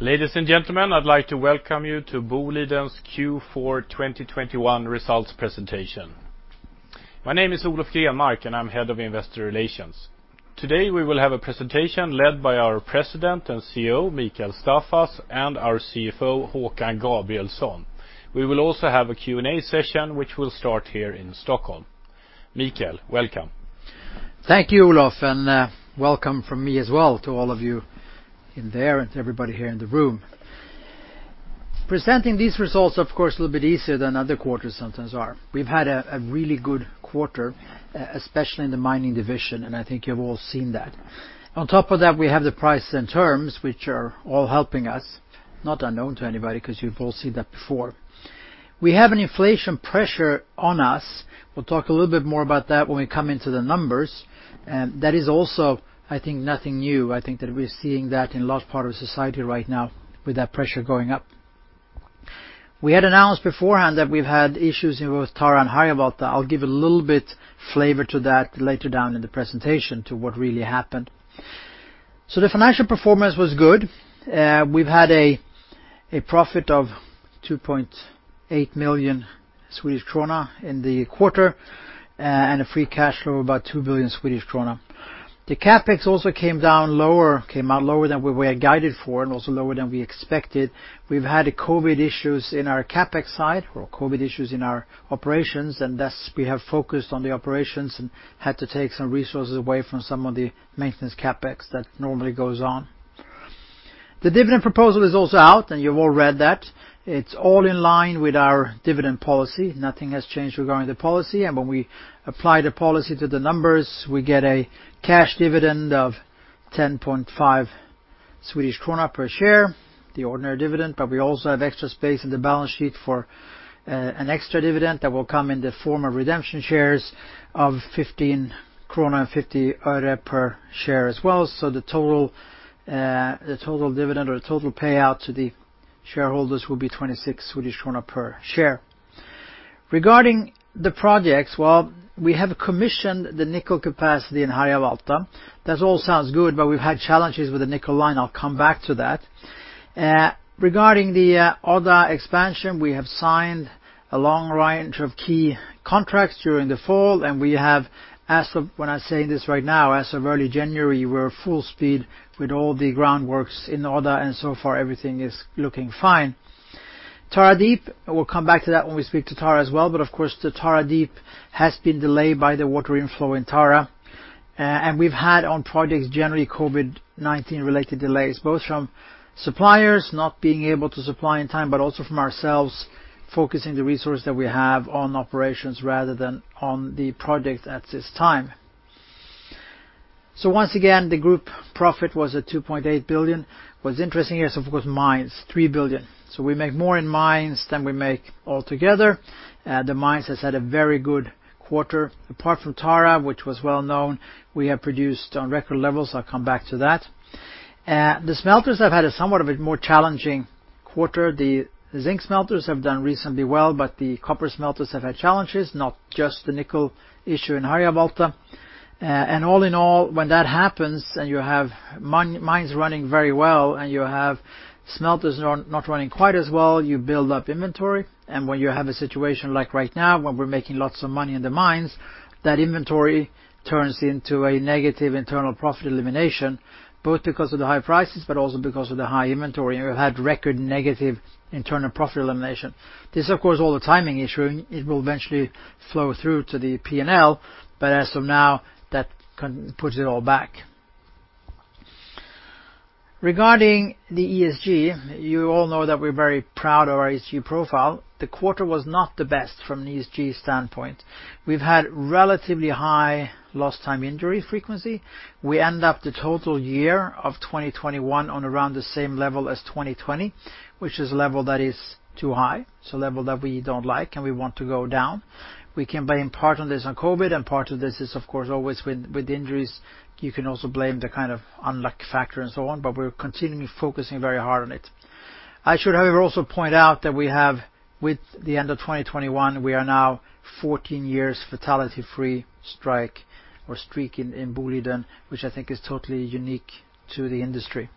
Ladies and gentlemen, I'd like to welcome you to Boliden's Q4 2021 results presentation. My name is Olof Grenmark, and I'm Head of Investor Relations. Today, we will have a presentation led by our President and CEO, Mikael Staffas, and our CFO, Håkan Gabrielsson. We will also have a Q&A session which will start here in Stockholm. Mikael, welcome. Thank you, Olof. Welcome from me as well to all of you in there and to everybody here in the room. Presenting these results, of course, a little bit easier than other quarters sometimes are. We've had a really good quarter, especially in the Mining Division, and I think you've all seen that. On top of that, we have the price and terms which are all helping us, not unknown to anybody 'cause you've all seen that before. We have an inflation pressure on us. We'll talk a little bit more about that when we come into the numbers. That is also, I think, nothing new. I think that we're seeing that in large part of society right now with that pressure going up. We had announced beforehand that we've had issues with Tara and Harjavalta. I'll give a little bit flavor to that later down in the presentation to what really happened. The financial performance was good. We've had a profit of 2.8 million Swedish krona in the quarter, and a free cash flow of about 2 billion Swedish krona. The CapEx also came out lower than what we had guided for and also lower than we expected. We've had COVID issues in our CapEx side or COVID issues in our operations, and thus we have focused on the operations and had to take some resources away from some of the maintenance CapEx that normally goes on. The dividend proposal is also out, and you've all read that. It's all in line with our dividend policy. Nothing has changed regarding the policy. When we apply the policy to the numbers, we get a cash dividend of 10.5 Swedish krona per share, the ordinary dividend. We also have extra space in the balance sheet for an extra dividend that will come in the form of redemption shares of SEK 15.50 per share as well. The total dividend or the total payout to the shareholders will be 26 Swedish krona per share. Regarding the projects, we have commissioned the nickel capacity in Harjavalta. That all sounds good, but we've had challenges with the nickel line. I'll come back to that. Regarding the other expansion, we have signed a long range of key contracts during the fall, and we have, as of when I say this right now, as of early January, we're full speed with all the groundworks in order, and so far everything is looking fine. Tara Deep, we'll come back to that when we speak to Tara as well. Of course, the Tara Deep has been delayed by the water inflow in Tara. We've had on projects generally COVID-19 related delays, both from suppliers not being able to supply in time, but also from ourselves focusing the resource that we have on operations rather than on the project at this time. Once again, the group profit was at 2.8 billion. What's interesting here is, of course, mines, 3 billion. We make more in mines than we make altogether. The mines has had a very good quarter. Apart from Tara, which was well known, we have produced on record levels. I'll come back to that. The smelters have had a somewhat of a more challenging quarter. The zinc smelters have done reasonably well, but the copper smelters have had challenges, not just the nickel issue in Harjavalta. All in all, when that happens, and you have mines running very well and you have smelters not running quite as well, you build up inventory. When you have a situation like right now, when we're making lots of money in the mines, that inventory turns into a negative internal profit elimination, both because of the high prices, but also because of the high inventory. We've had record negative internal profit elimination. This, of course, all the timing issue, it will eventually flow through to the P&L, but as of now, that can put it all back. Regarding the ESG, you all know that we're very proud of our ESG profile. The quarter was not the best from an ESG standpoint. We've had relatively high lost time injury frequency. We end up the total year of 2021 on around the same level as 2020, which is a level that is too high, so a level that we don't like and we want to go down. We can blame part of this on COVID, and part of this is, of course, always with injuries, you can also blame the kind of unlucky factor and so on, but we're continuing focusing very hard on it. I should, however, also point out that we have, with the end of 2021, we are now 14 years fatality-free streak in Boliden, which I think is totally unique to the industry.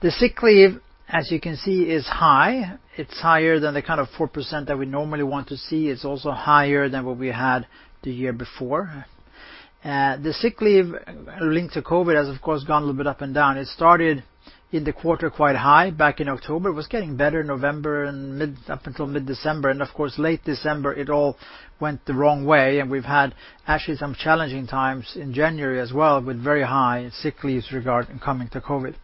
The sick leave, as you can see, is high. It's higher than the kind of 4% that we normally want to see. It's also higher than what we had the year before. The sick leave linked to COVID has, of course, gone a little bit up and down. It started in the quarter quite high back in October. It was getting better November and up until mid-December. Of course, late December, it all went the wrong way. We've had actually some challenging times in January as well with very high sick leaves regarding coming to COVID.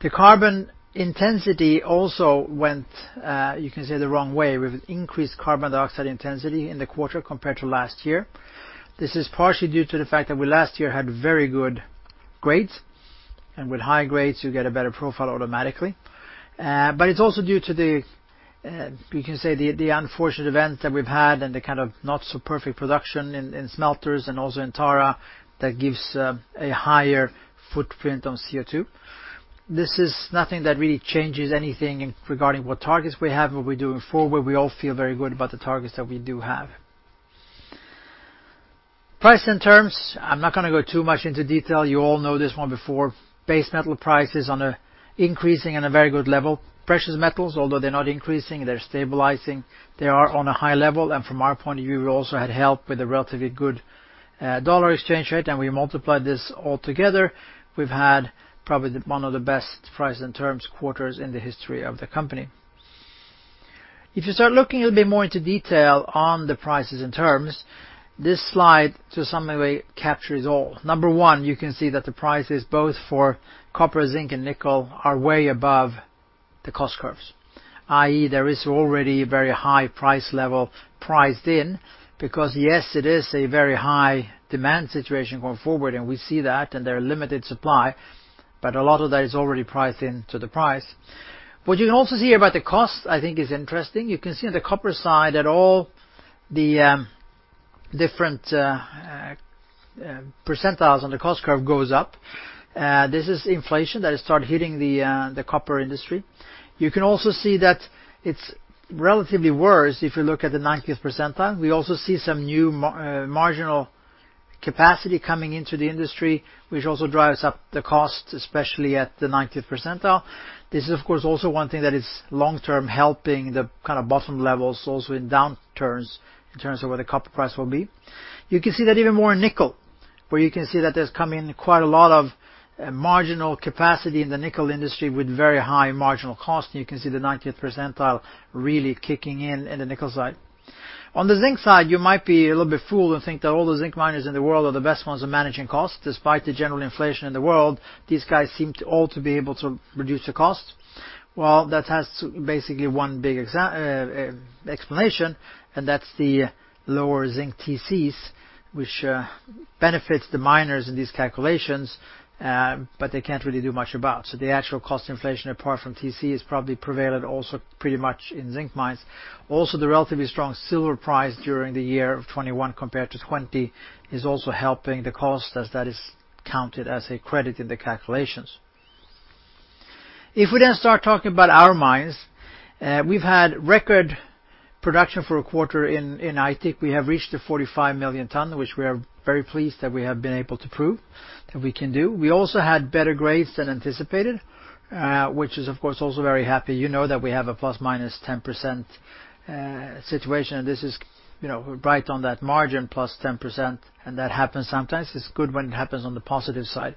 The carbon intensity also went, you can say, the wrong way. We've increased carbon dioxide intensity in the quarter compared to last year. This is partially due to the fact that we last year had very good grades. With high grades, you get a better profile automatically. But it's also due to the unfortunate events that we've had and the kind of not so perfect production in smelters and also in Tara that gives a higher footprint on CO2. This has nothing that really changes anything regarding what targets we have, what we're doing forward. We all feel very good about the targets that we do have. Price and terms, I'm not gonna go too much into detail. You all know this one before. Base metal prices increasing at a very good level. Precious metals, although they're not increasing, they're stabilizing, they are on a high level. From our point of view, we also had help with a relatively good dollar exchange rate, and we multiply this all together, we've had probably the one of the best prices in terms of quarters in the history of the company. If you start looking a bit more into detail on the prices and terms, this slide, the summary captures all. One, you can see that the prices both for copper, zinc, and nickel are way above the cost curves. I.e., there is already a very high price level priced in because, yes, it is a very high demand situation going forward, and we see that and there are limited supply, but a lot of that is already priced into the price. What you can also see about the cost, I think, is interesting. You can see on the copper side that all the different percentiles on the cost curve goes up. This is inflation that has started hitting the copper industry. You can also see that it's relatively worse if you look at the ninetieth percentile. We also see some marginal capacity coming into the industry, which also drives up the cost, especially at the ninetieth percentile. This is, of course, also one thing that is long-term helping the kind of bottom levels also in downturns in terms of what the copper price will be. You can see that even more in nickel, where you can see that there's coming quite a lot of marginal capacity in the nickel industry with very high marginal cost. You can see the ninetieth percentile really kicking in in the nickel side. On the zinc side, you might be a little bit fooled and think that all the zinc miners in the world are the best ones in managing costs. Despite the general inflation in the world, these guys seem to all be able to reduce the cost. Well, that has basically one big explanation, and that's the lower zinc TCs, which benefits the miners in these calculations, but they can't really do much about. The actual cost inflation, apart from TCs, has probably prevailed also pretty much in zinc mines. Also, the relatively strong silver price during the year of 2021 compared to 2020 is also helping the cost as that is counted as a credit in the calculations. If we then start talking about our mines, we've had record production for a quarter in Aitik. We have reached the 45 million ton, which we are very pleased that we have been able to prove that we can do. We also had better grades than anticipated, which is, of course, also very happy. You know that we have a ±10% situation, and this is right on that margin +10%, and that happens sometimes. It's good when it happens on the positive side.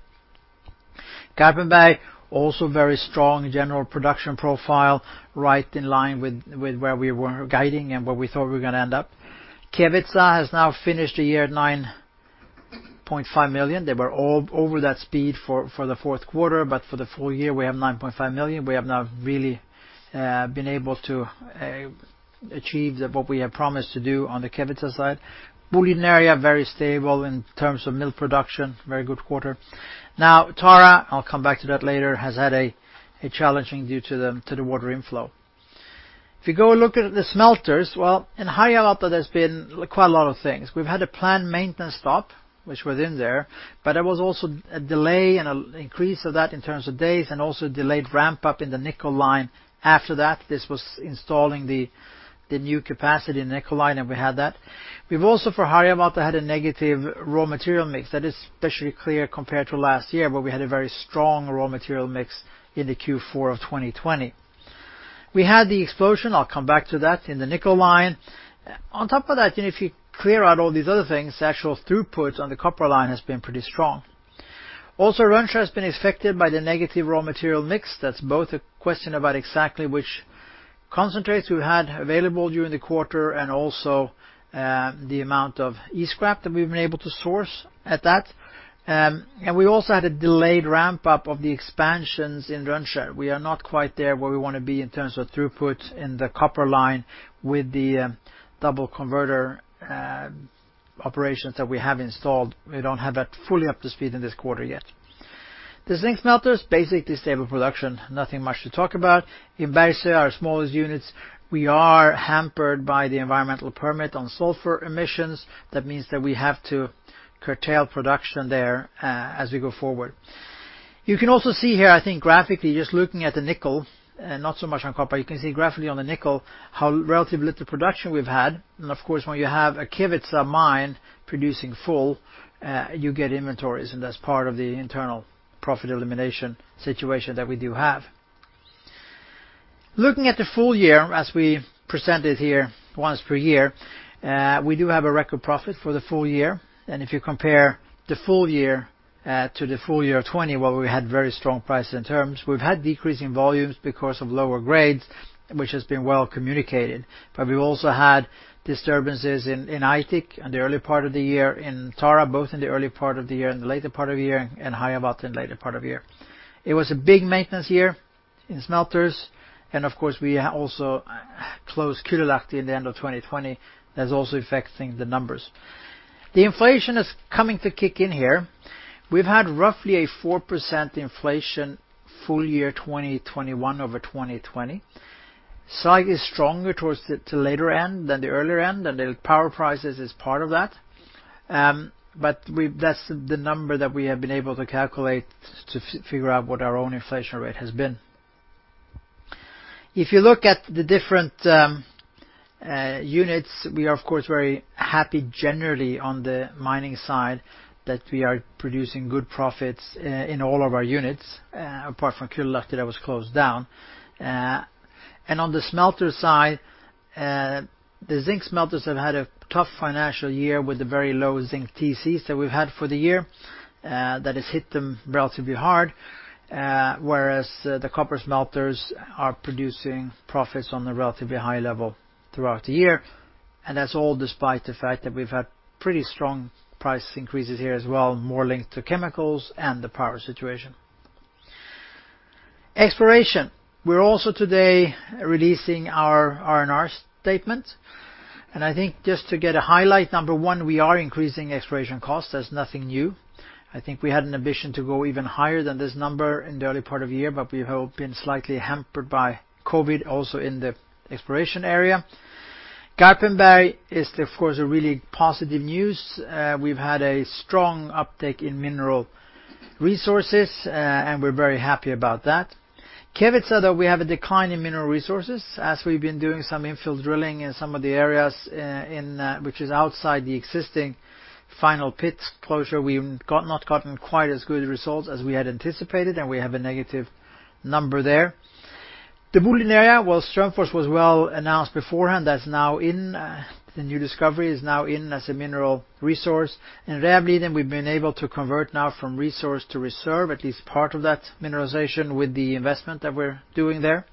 Garpenberg, also very strong general production profile, right in line with where we were guiding and where we thought we were gonna end up. Kevitsa has now finished the year at 9.5 million. They were over that speed for the fourth quarter, but for the full year, we have 9.5 million. We have now really been able to achieve what we have promised to do on the Kevitsa side. Boliden Area very stable in terms of mill production, very good quarter. Now, Tara, I'll come back to that later, has had a challenging due to the water inflow. If you go look at the smelters, in Harjavalta, there's been quite a lot of things. We've had a planned maintenance stop, which was in there, but there was also a delay and an increase of that in terms of days and also delayed ramp up in the nickel line after that. This was installing the new capacity in the nickel line, and we had that. We've also, for Harjavalta, had a negative raw material mix. That is especially clear compared to last year, where we had a very strong raw material mix in the Q4 of 2020. We had the explosion, I'll come back to that, in the nickel line. On top of that, if you clear out all these other things, the actual throughput on the copper line has been pretty strong. Also, Rönnskär has been affected by the negative raw material mix. That's both a question about exactly which concentrates we had available during the quarter and also, the amount of E-scrap that we've been able to source at that. We also had a delayed ramp up of the expansions in Rönnskär. We are not quite there where we wanna be in terms of throughput in the copper line with the, double converter, operations that we have installed. We don't have that fully up to speed in this quarter yet. The zinc smelters, basic stable production, nothing much to talk about. In Bergsöe, our smallest units, we are hampered by the environmental permit on sulfur emissions. That means that we have to curtail production there as we go forward. You can also see here, I think graphically, just looking at the nickel, not so much on copper, you can see graphically on the nickel how relatively little production we've had. Of course, when you have a Kevitsa mine producing full, you get inventories, and that's part of the internal profit elimination situation that we do have. Looking at the full year as we present it here once per year, we do have a record profit for the full year. If you compare the full year to the full year of 2020, where we had very strong prices and terms, we've had decreasing volumes because of lower grades, which has been well communicated. We've also had disturbances in Aitik in the early part of the year, in Tara both in the early part of the year and the later part of the year, and Harjavalta in the later part of the year. It was a big maintenance year in smelters, and of course, we also closed Kylylahti in the end of 2020. That's also affecting the numbers. The inflation is coming to kick in here. We've had roughly a 4% inflation full year 2021 over 2020. Slightly stronger towards the later end than the earlier end, and the power prices is part of that. That's the number that we have been able to calculate to figure out what our own inflation rate has been. If you look at the different units, we are of course very happy generally on the mining side that we are producing good profits in all of our units, apart from Kylylahti that was closed down. On the smelter side, the zinc smelters have had a tough financial year with the very low zinc TCs that we've had for the year, that has hit them relatively hard. Whereas the copper smelters are producing profits on a relatively high level throughout the year, and that's all despite the fact that we've had pretty strong price increases here as well, more linked to chemicals and the power situation. Exploration. We're also today releasing our R&R statement, and I think just to get a highlight, number one, we are increasing exploration costs. That's nothing new. I think we had an ambition to go even higher than this number in the early part of the year, but we have been slightly hampered by COVID also in the exploration area. Garpenberg is of course a really positive news. We've had a strong uptake in mineral resources, and we're very happy about that. Kevitsa, though we have a decline in mineral resources as we've been doing some infill drilling in some of the areas in which is outside the existing final pit closure. We've not gotten quite as good results as we had anticipated, and we have a negative number there. The Boliden area, well Strömfors was well announced beforehand. That's now in, the new discovery is now in as a mineral resource. In Rävliden we've been able to convert now from resource to reserve, at least part of that mineralization with the investment that we're doing there.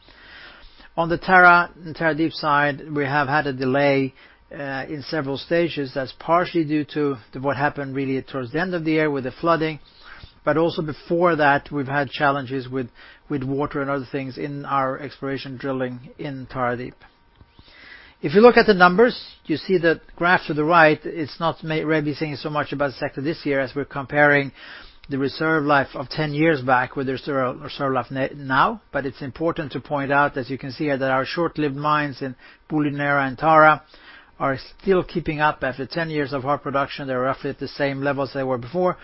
On the Tara, the Tara Deep side, we have had a delay in several stages. That's partially due to what happened really towards the end of the year with the flooding. Also before that, we've had challenges with water and other things in our exploration drilling in Tara Deep. If you look at the numbers, you see the graph to the right, it's not really saying so much about sector this year as we're comparing the reserve life of 10 years back with the reserve life now. It's important to point out, as you can see here, that our short-lived mines in Boliden Area and Tara are still keeping up. After 10 years of hard production, they're roughly at the same levels they were before.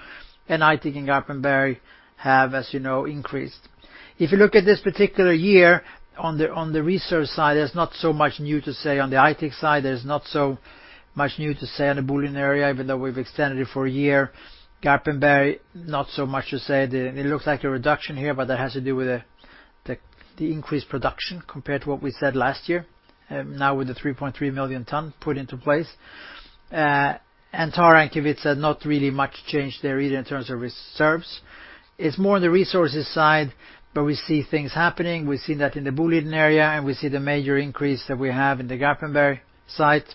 Aitik and Garpenberg have, as you know, increased. If you look at this particular year on the reserve side, there's not so much new to say on the Aitik side. There's not so much new to say on the Boliden Area, even though we've extended it for a year. Garpenberg, not so much to say. It looks like a reduction here, but that has to do with the increased production compared to what we said last year, now with the 3.3 million ton put into place. Tara and Kevitsa not really much change there either in terms of reserves. It's more on the resources side where we see things happening. We've seen that in the Boliden Area, and we see the major increase that we have in the Garpenberg site.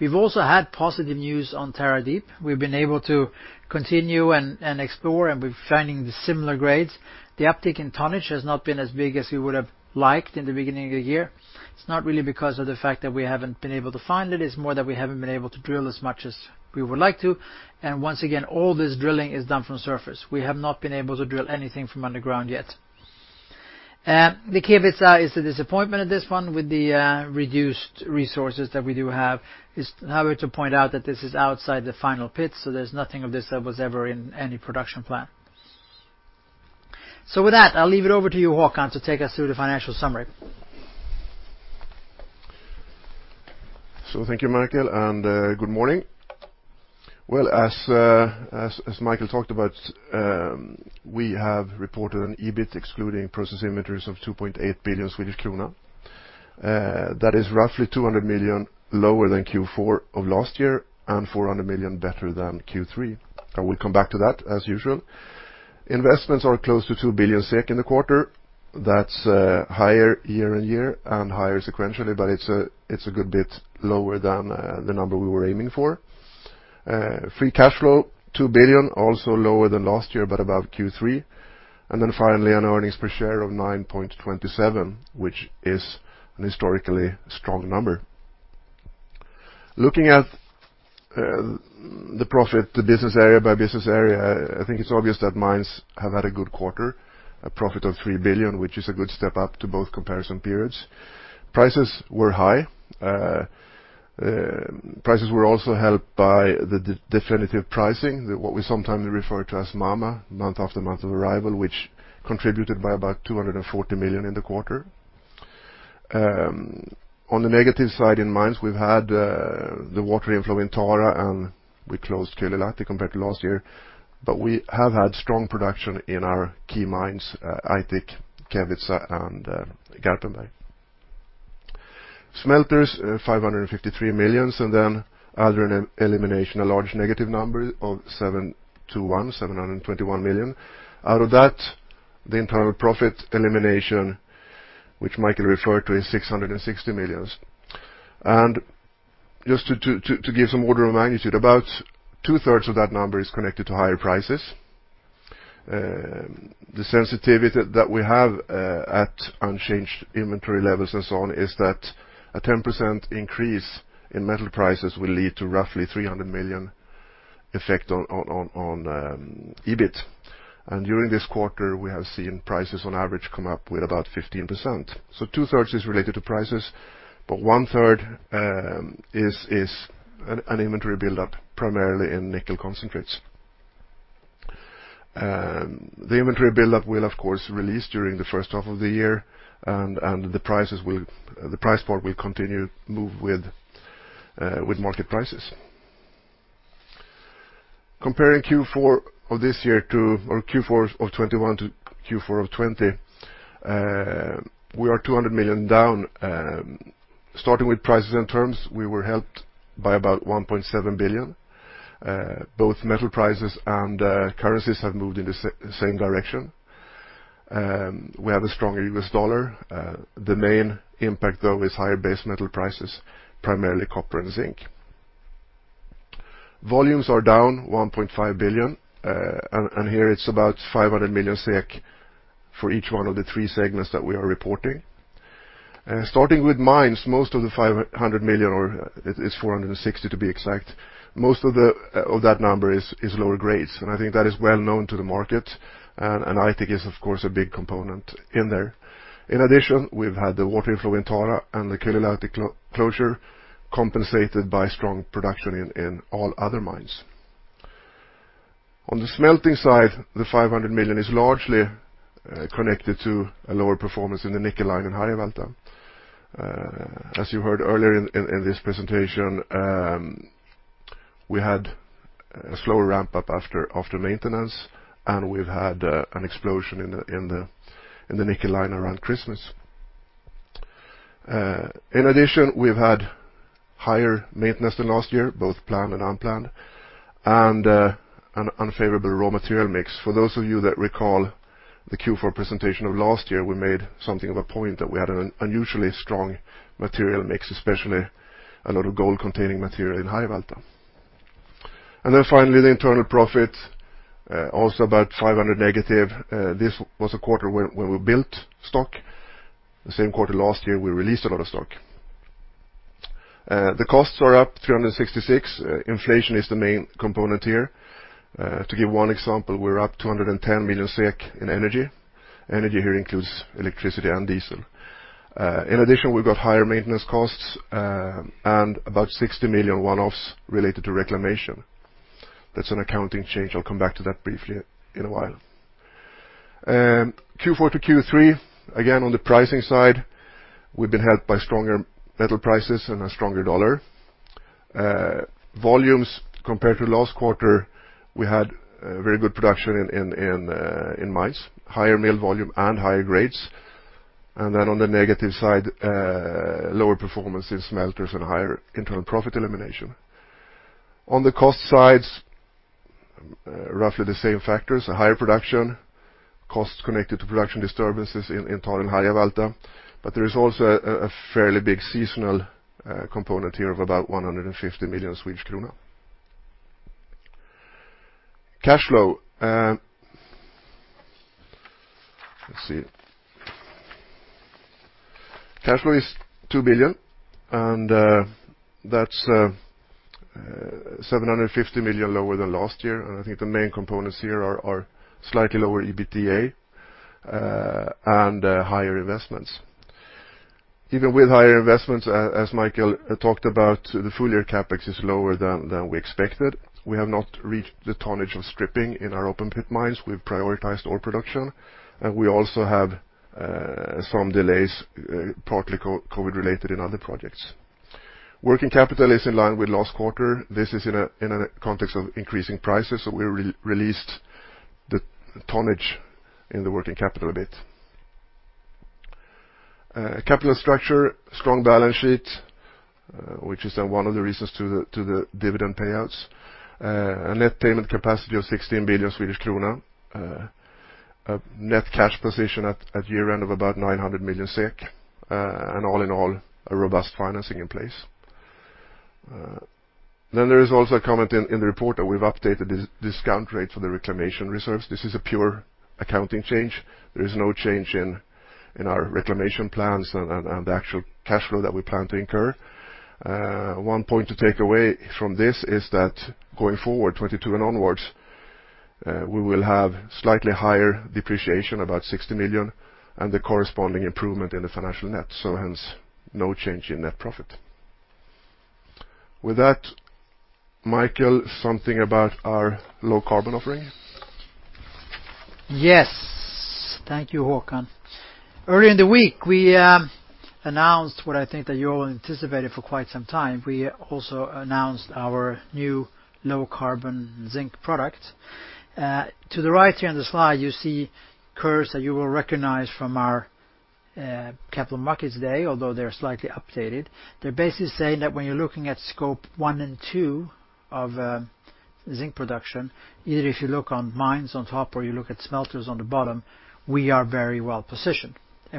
We've also had positive news on Tara Deep. We've been able to continue and explore, and we're finding the similar grades. The uptick in tonnage has not been as big as we would have liked in the beginning of the year. It's not really because of the fact that we haven't been able to find it's more that we haven't been able to drill as much as we would like to. Once again, all this drilling is done from surface. We have not been able to drill anything from underground yet. The Kevitsa is a disappointment at this one with the reduced resources that we do have. It's however to point out that this is outside the final pit, so there's nothing of this that was ever in any production plan. With that, I'll leave it over to you, Håkan, to take us through the financial summary. Thank you, Mikael, and good morning. Well, as Mikael talked about, we have reported an EBIT excluding process inventories of 2.8 billion Swedish krona. That is roughly 200 million SEK lower than Q4 of last year and 400 million SEK better than Q3. I will come back to that as usual. Investments are close to 2 billion SEK in the quarter. That's higher year-on-year and higher sequentially, but it's a good bit lower than the number we were aiming for. Free cash flow, 2 billion SEK, also lower than last year, but above Q3. Then finally on earnings per share of 9.27, which is a historically strong number. Looking at the profit, the business area by business area, I think it's obvious that Mines have had a good quarter, a profit of 3 billion, which is a good step up to both comparison periods. Prices were high. Prices were also helped by the definitive pricing, what we sometimes refer to as MAMA, month after month of arrival, which contributed by about 240 million in the quarter. On the negative side in Mines, we've had the water inflow in Tara, and we closed Kylylahti compared to last year, but we have had strong production in our key mines, Aitik, Kevitsa, and Garpenberg. Smelters, 553 million, and then Other and Eliminations, a large negative number of 721 million. Out of that, the entire profit elimination, which Mikael referred to, is 660 million. Just to give some order of magnitude, about two-thirds of that number is connected to higher prices. The sensitivity that we have at unchanged inventory levels and so on is that a 10% increase in metal prices will lead to roughly 300 million effect on EBIT. During this quarter, we have seen prices on average come up with about 15%. Two-thirds is related to prices, but one-third is an inventory buildup, primarily in nickel concentrates. The inventory buildup will of course release during the first half of the year, and the prices will, the price part will continue to move with market prices. Comparing Q4 of this year or Q4 of 2021 to Q4 of 2020, we are 200 million down. Starting with prices and terms, we were helped by about 1.7 billion. Both metal prices and currencies have moved in the same direction. We have a stronger US dollar. The main impact, though, is higher base metal prices, primarily copper and zinc. Volumes are down 1.5 billion, and here it's about 500 million SEK for each one of the three segments that we are reporting. Starting with Mines, most of the 500 million, it's 460 million to be exact, most of that number is lower grades, and I think that is well known to the market, and I think it's a big component in there. In addition, we've had the water flow in Tara and the Kylylahti closure compensated by strong production in all other mines. On the smelting side, 500 million is largely connected to a lower performance in the nickel line in Harjavalta. As you heard earlier in this presentation, we had a slower ramp-up after maintenance, and we've had an explosion in the nickel line around Christmas. In addition, we've had higher maintenance than last year, both planned and unplanned, and an unfavorable raw material mix. For those of you that recall the Q4 presentation of last year, we made something of a point that we had an unusually strong material mix, especially a lot of gold-containing material in Harjavalta. Then finally, the internal profit also about 500 million negative. This was a quarter where we built stock. The same quarter last year, we released a lot of stock. The costs are up 366 million. Inflation is the main component here. To give one example, we're up 210 million SEK in energy. Energy here includes electricity and diesel. In addition, we've got higher maintenance costs and about 60 million one-offs related to reclamation. That's an accounting change. I'll come back to that briefly in a while. Q4 to Q3, again, on the pricing side, we've been helped by stronger metal prices and a stronger dollar. Volumes compared to last quarter, we had very good production in mines, higher mill volume and higher grades. On the negative side, lower performance in smelters and higher internal profit elimination. On the cost sides, roughly the same factors, higher production costs connected to production disturbances in Tara and Harjavalta, but there is also a fairly big seasonal component here of about 150 million Swedish krona. Cash flow is 2 billion, and that's 750 million lower than last year, and I think the main components here are slightly lower EBITDA and higher investments. Even with higher investments, as Mikael talked about, the full year CapEx is lower than we expected. We have not reached the tonnage of stripping in our open pit mines. We've prioritized ore production, and we also have some delays, partly COVID related in other projects. Working capital is in line with last quarter. This is in a context of increasing prices, so we released the tonnage in the working capital a bit. Capital structure, strong balance sheet, which is then one of the reasons to the dividend payouts. A net payment capacity of 16 billion Swedish krona. A net cash position at year-end of about 900 million SEK, and all in all, a robust financing in place. There is also a comment in the report that we've updated the discount rate for the reclamation reserves. This is a pure accounting change. There is no change in our reclamation plans and the actual cash flow that we plan to incur. One point to take away from this is that going forward, 2022 and onwards, we will have slightly higher depreciation, about 60 million, and the corresponding improvement in the financial net, so hence no change in net profit. With that, Mikael, something about our low carbon offering. Yes. Thank you, Håkan. Early in the week, we announced what I think that you all anticipated for quite some time. We also announced our new Low-Carbon Zinc product. To the right here on the slide, you see curves that you will recognize from our capital markets day, although they're slightly updated. They basically say that when you're looking at Scope 1 and 2 of zinc production, either if you look on mines on top or you look at smelters on the bottom, we are very well positioned.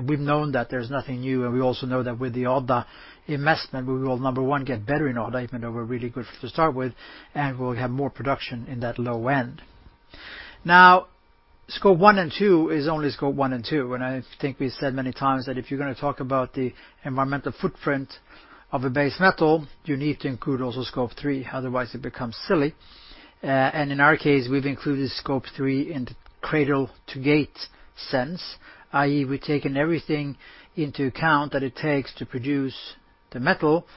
We've known that there's nothing new, and we also know that with the Odda investment, we will, number one, get better in Odda even though we're really good to start with, and we'll have more production in that low end. Now, Scope 1 and 2 is only Scope 1 and 2, and I think we said many times that if you're gonna talk about the environmental footprint of a base metal, you need to include also Scope 3, otherwise it becomes silly. In our case, we've included Scope 3 in the cradle-to-gate sense, i.e., we've taken everything into account that it takes to produce the metal,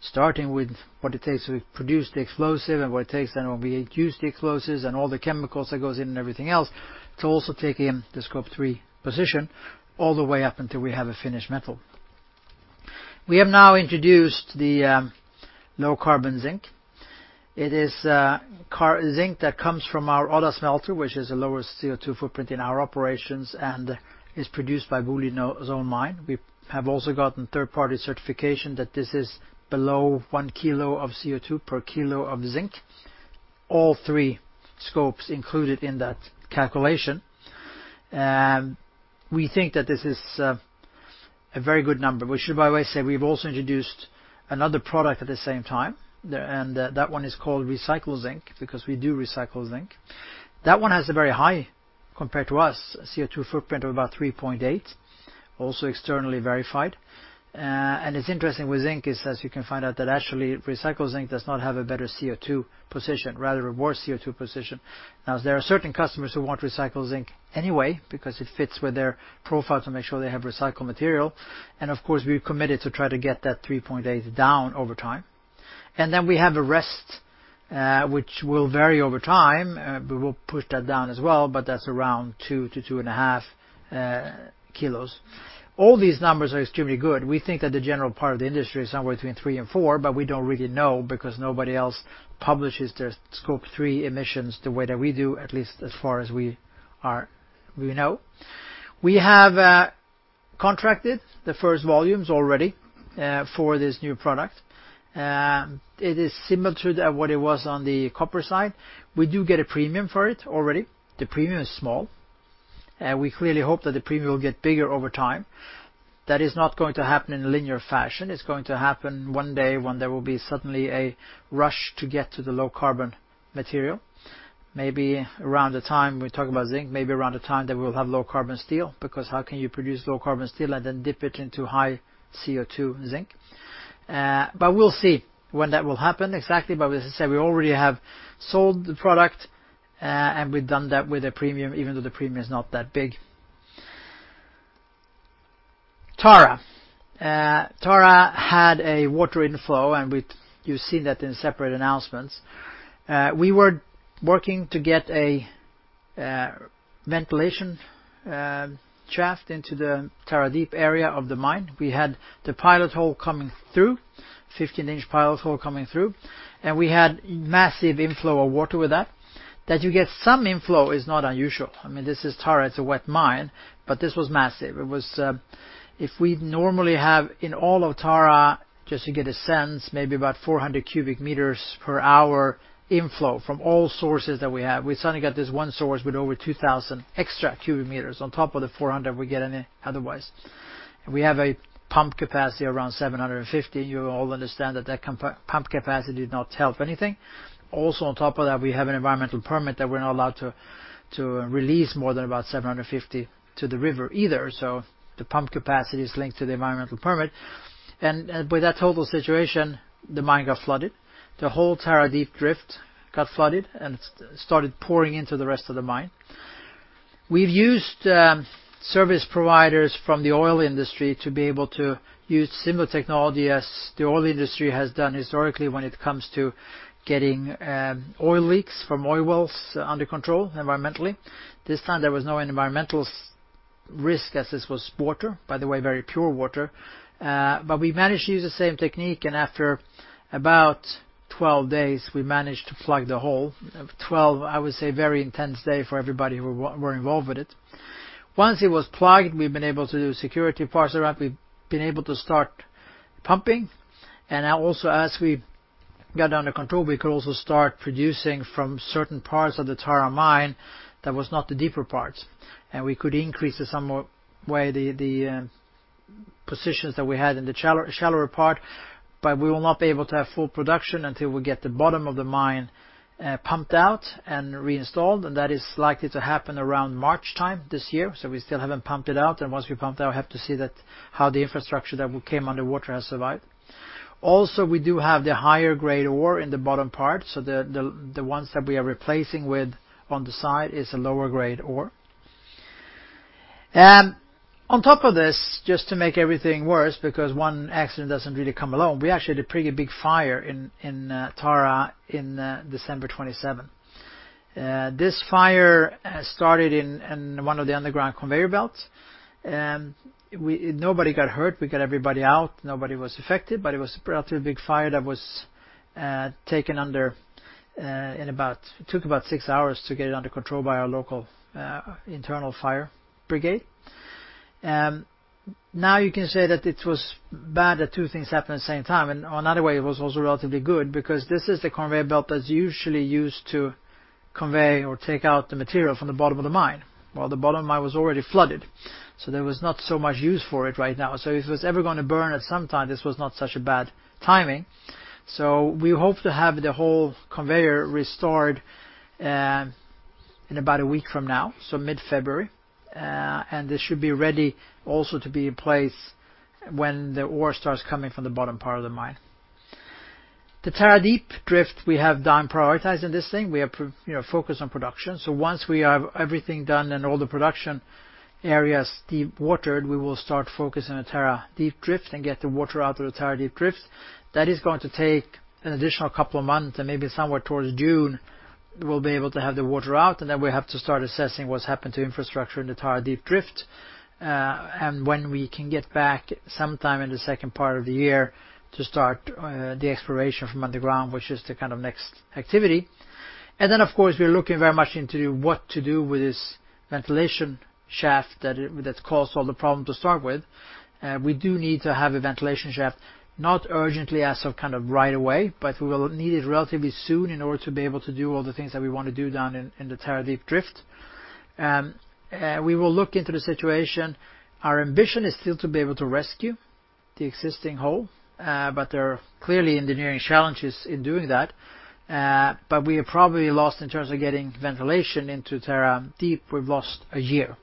starting with what it takes to produce the explosive and what it takes then when we use the explosives and all the chemicals that goes in and everything else to also take in the Scope 3 position all the way up until we have a finished metal. We have now introduced the Low-Carbon Zinc. It is zinc that comes from our other smelter, which has a lower CO2 footprint in our operations and is produced by Boliden's own mine. We have also gotten third-party certification that this is below one kilo of CO2 per kilo of zinc, all three scopes included in that calculation. We think that this is a very good number. We should, by the way, say we've also introduced another product at the same time, and that one is called recycled zinc because we do recycle zinc. That one has a very high, compared to us, CO2 footprint of about 3.8, also externally verified. It's interesting with zinc, as you can find out, that actually recycled zinc does not have a better CO2 position, rather a worse CO2 position. Now, there are certain customers who want recycled zinc anyway because it fits with their profile to make sure they have recycled material. Of course, we've committed to try to get that 3.8 down over time. Then we have a rest, which will vary over time. We will push that down as well, but that's around 2-2.5 kg. All these numbers are extremely good. We think that the general part of the industry is somewhere between three and four, but we don't really know because nobody else publishes their Scope 3 emissions the way that we do, at least as far as we know. We have contracted the first volumes already for this new product. It is similar to what it was on the copper side. We do get a premium for it already. The premium is small. We clearly hope that the premium will get bigger over time. That is not going to happen in a linear fashion. It's going to happen one day when there will be suddenly a rush to get to the low-carbon material. Maybe around the time we talk about zinc, maybe around the time that we'll have low-carbon steel, because how can you produce low-carbon steel and then dip it into high CO2 zinc? We'll see when that will happen exactly. As I said, we already have sold the product, and we've done that with a premium, even though the premium is not that big. Tara had a water inflow, and you've seen that in separate announcements. We were working to get a ventilation shaft into the Tara deep area of the mine. We had a 15-inch pilot hole coming through, and we had massive inflow of water with that. That you get some inflow is not unusual. I mean, this is Tara, it's a wet mine, but this was massive. It was. If we normally have in all of Tara, just to get a sense, maybe about 400 cubic meters per hour inflow from all sources that we have, we suddenly got this one source with over 2,000 extra cubic meters on top of the 400 we get any otherwise. We have a pump capacity around 750. You all understand that that pump capacity did not help anything. On top of that, we have an environmental permit that we're not allowed to release more than about 750 to the river either. The pump capacity is linked to the environmental permit. With that total situation, the mine got flooded. The whole Tara deep drift got flooded and started pouring into the rest of the mine. We've used service providers from the oil industry to be able to use similar technology as the oil industry has done historically when it comes to getting oil leaks from oil wells under control environmentally. This time, there was no environmental risk as this was water, by the way, very pure water. We managed to use the same technique, and after about 12 days, we managed to plug the hole. 12, I would say, very intense day for everybody who were involved with it. Once it was plugged, we've been able to do securing parts around. We've been able to start pumping. Now also, as we got it under control, we could also start producing from certain parts of the Tara mine that was not the deeper parts. We could increase it some more in the portions that we had in the shallower part. We will not be able to have full production until we get the bottom of the mine pumped out and reinstalled. That is likely to happen around March time this year. We still haven't pumped it out. Once we pump it out, we have to see how the infrastructure that came underwater has survived. We do have the higher grade ore in the bottom part. The ones that we are replacing with on the side is a lower grade ore. On top of this, just to make everything worse, because one accident doesn't really come alone, we actually had a pretty big fire in Tara in December 27. This fire has started in one of the underground conveyor belts. Nobody got hurt. We got everybody out. Nobody was affected. It was a relatively big fire. It took about six hours to get it under control by our local internal fire brigade. Now you can say that it was bad that two things happened at the same time. Another way, it was also relatively good because this is the conveyor belt that's usually used to convey or take out the material from the bottom of the mine. Well, the bottom of the mine was already flooded, so there was not so much use for it right now. If it was ever gonna burn at some time, this was not such a bad timing. We hope to have the whole conveyor restored in about a week from now, so mid-February. This should be ready also to be in place when the ore starts coming from the bottom part of the mine. The Tara Deep drift we have done prioritizing this thing. We are, you know, focused on production. Once we have everything done and all the production areas dewatered, we will start focusing on Tara Deep drift and get the water out of the Tara Deep drift. That is going to take an additional couple of months, and maybe somewhere towards June we'll be able to have the water out, and then we have to start assessing what's happened to infrastructure in the Tara Deep drift, and when we can get back sometime in the second part of the year to start the exploration from underground, which is the kind of next activity. Then, of course, we're looking very much into what to do with this ventilation shaft that's caused all the problem to start with. We do need to have a ventilation shaft, not urgently as of kind of right away, but we will need it relatively soon in order to be able to do all the things that we wanna do down in the Tara Deep drift. We will look into the situation. Our ambition is still to be able to rescue the existing hole, but there are clearly engineering challenges in doing that. We have probably lost in terms of getting ventilation into Tara Deep, we've lost a year.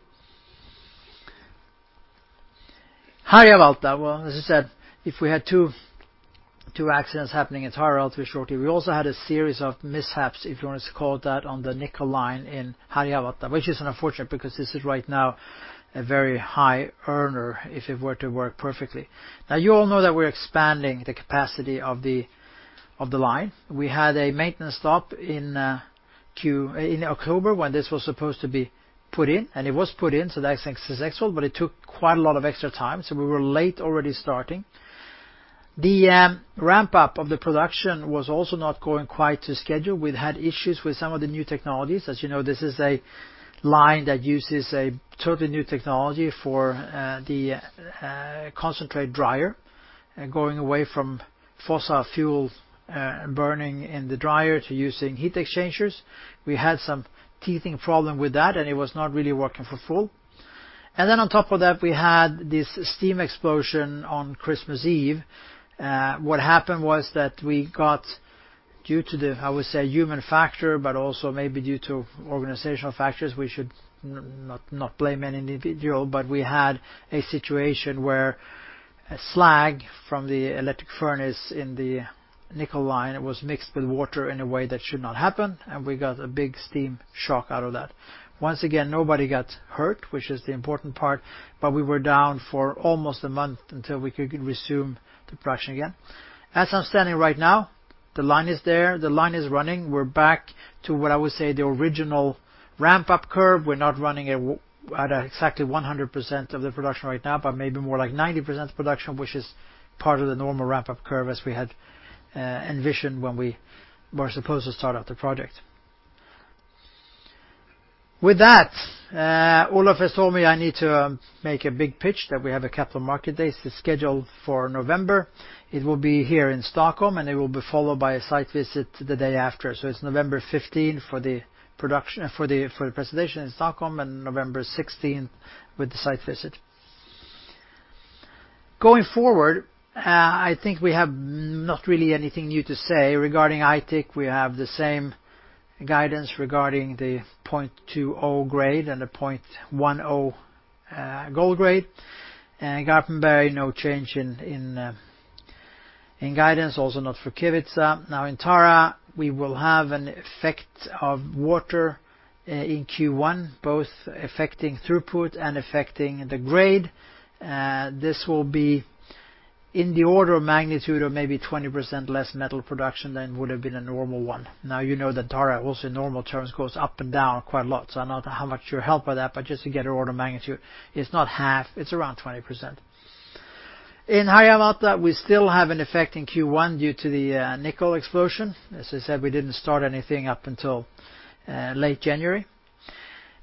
Harjavalta, well, as I said, if we had two accidents happening at Harjavalta shortly, we also had a series of mishaps, if you want us to call it that, on the nickel line in Harjavalta, which is unfortunate because this is right now a very high earner if it were to work perfectly. Now, you all know that we're expanding the capacity of the line. We had a maintenance stop in October when this was supposed to be put in, and it was put in, so that's successful, but it took quite a lot of extra time, so we were late already starting. The ramp-up of the production was also not going quite to schedule. We'd had issues with some of the new technologies. As you know, this is a line that uses a totally new technology for the concentrate dryer, going away from fossil fuel burning in the dryer to using heat exchangers. We had some teething problem with that, and it was not really working for full. On top of that, we had this steam explosion on Christmas Eve. What happened was that we got, due to the, I would say human factor, but also maybe due to organizational factors, we should not blame any individual, but we had a situation where a slag from the electric furnace in the nickel line was mixed with water in a way that should not happen, and we got a big steam shock out of that. Once again, nobody got hurt, which is the important part, but we were down for almost a month until we could resume the production again. As I'm standing right now, the line is there, the line is running. We're back to what I would say the original ramp-up curve. We're not running it at exactly 100% of the production right now, but maybe more like 90% production, which is part of the normal ramp-up curve as we had envisioned when we were supposed to start up the project. With that, Olof has told me I need to make a big pitch that we have a capital market day. It's scheduled for November. It will be here in Stockholm, and it will be followed by a site visit the day after. It's November 15 for the presentation in Stockholm, and November 16 with the site visit. Going forward, I think we have not really anything new to say. Regarding Aitik, we have the same guidance regarding the 0.20 grade and the 0.10 gold grade. Garpenberg, no change in guidance, also not for Kevitsa. Now in Tara, we will have an effect of water in Q1, both affecting throughput and affecting the grade. This will be in the order of magnitude of maybe 20% less metal production than would have been a normal one. Now, you know that Tara also in normal terms goes up and down quite a lot, so I don't know how much you're helped by that, but just to get an order of magnitude, it's not half, it's around 20%. In Harjavalta, we still have an effect in Q1 due to the nickel explosion. As I said, we didn't start anything up until late January.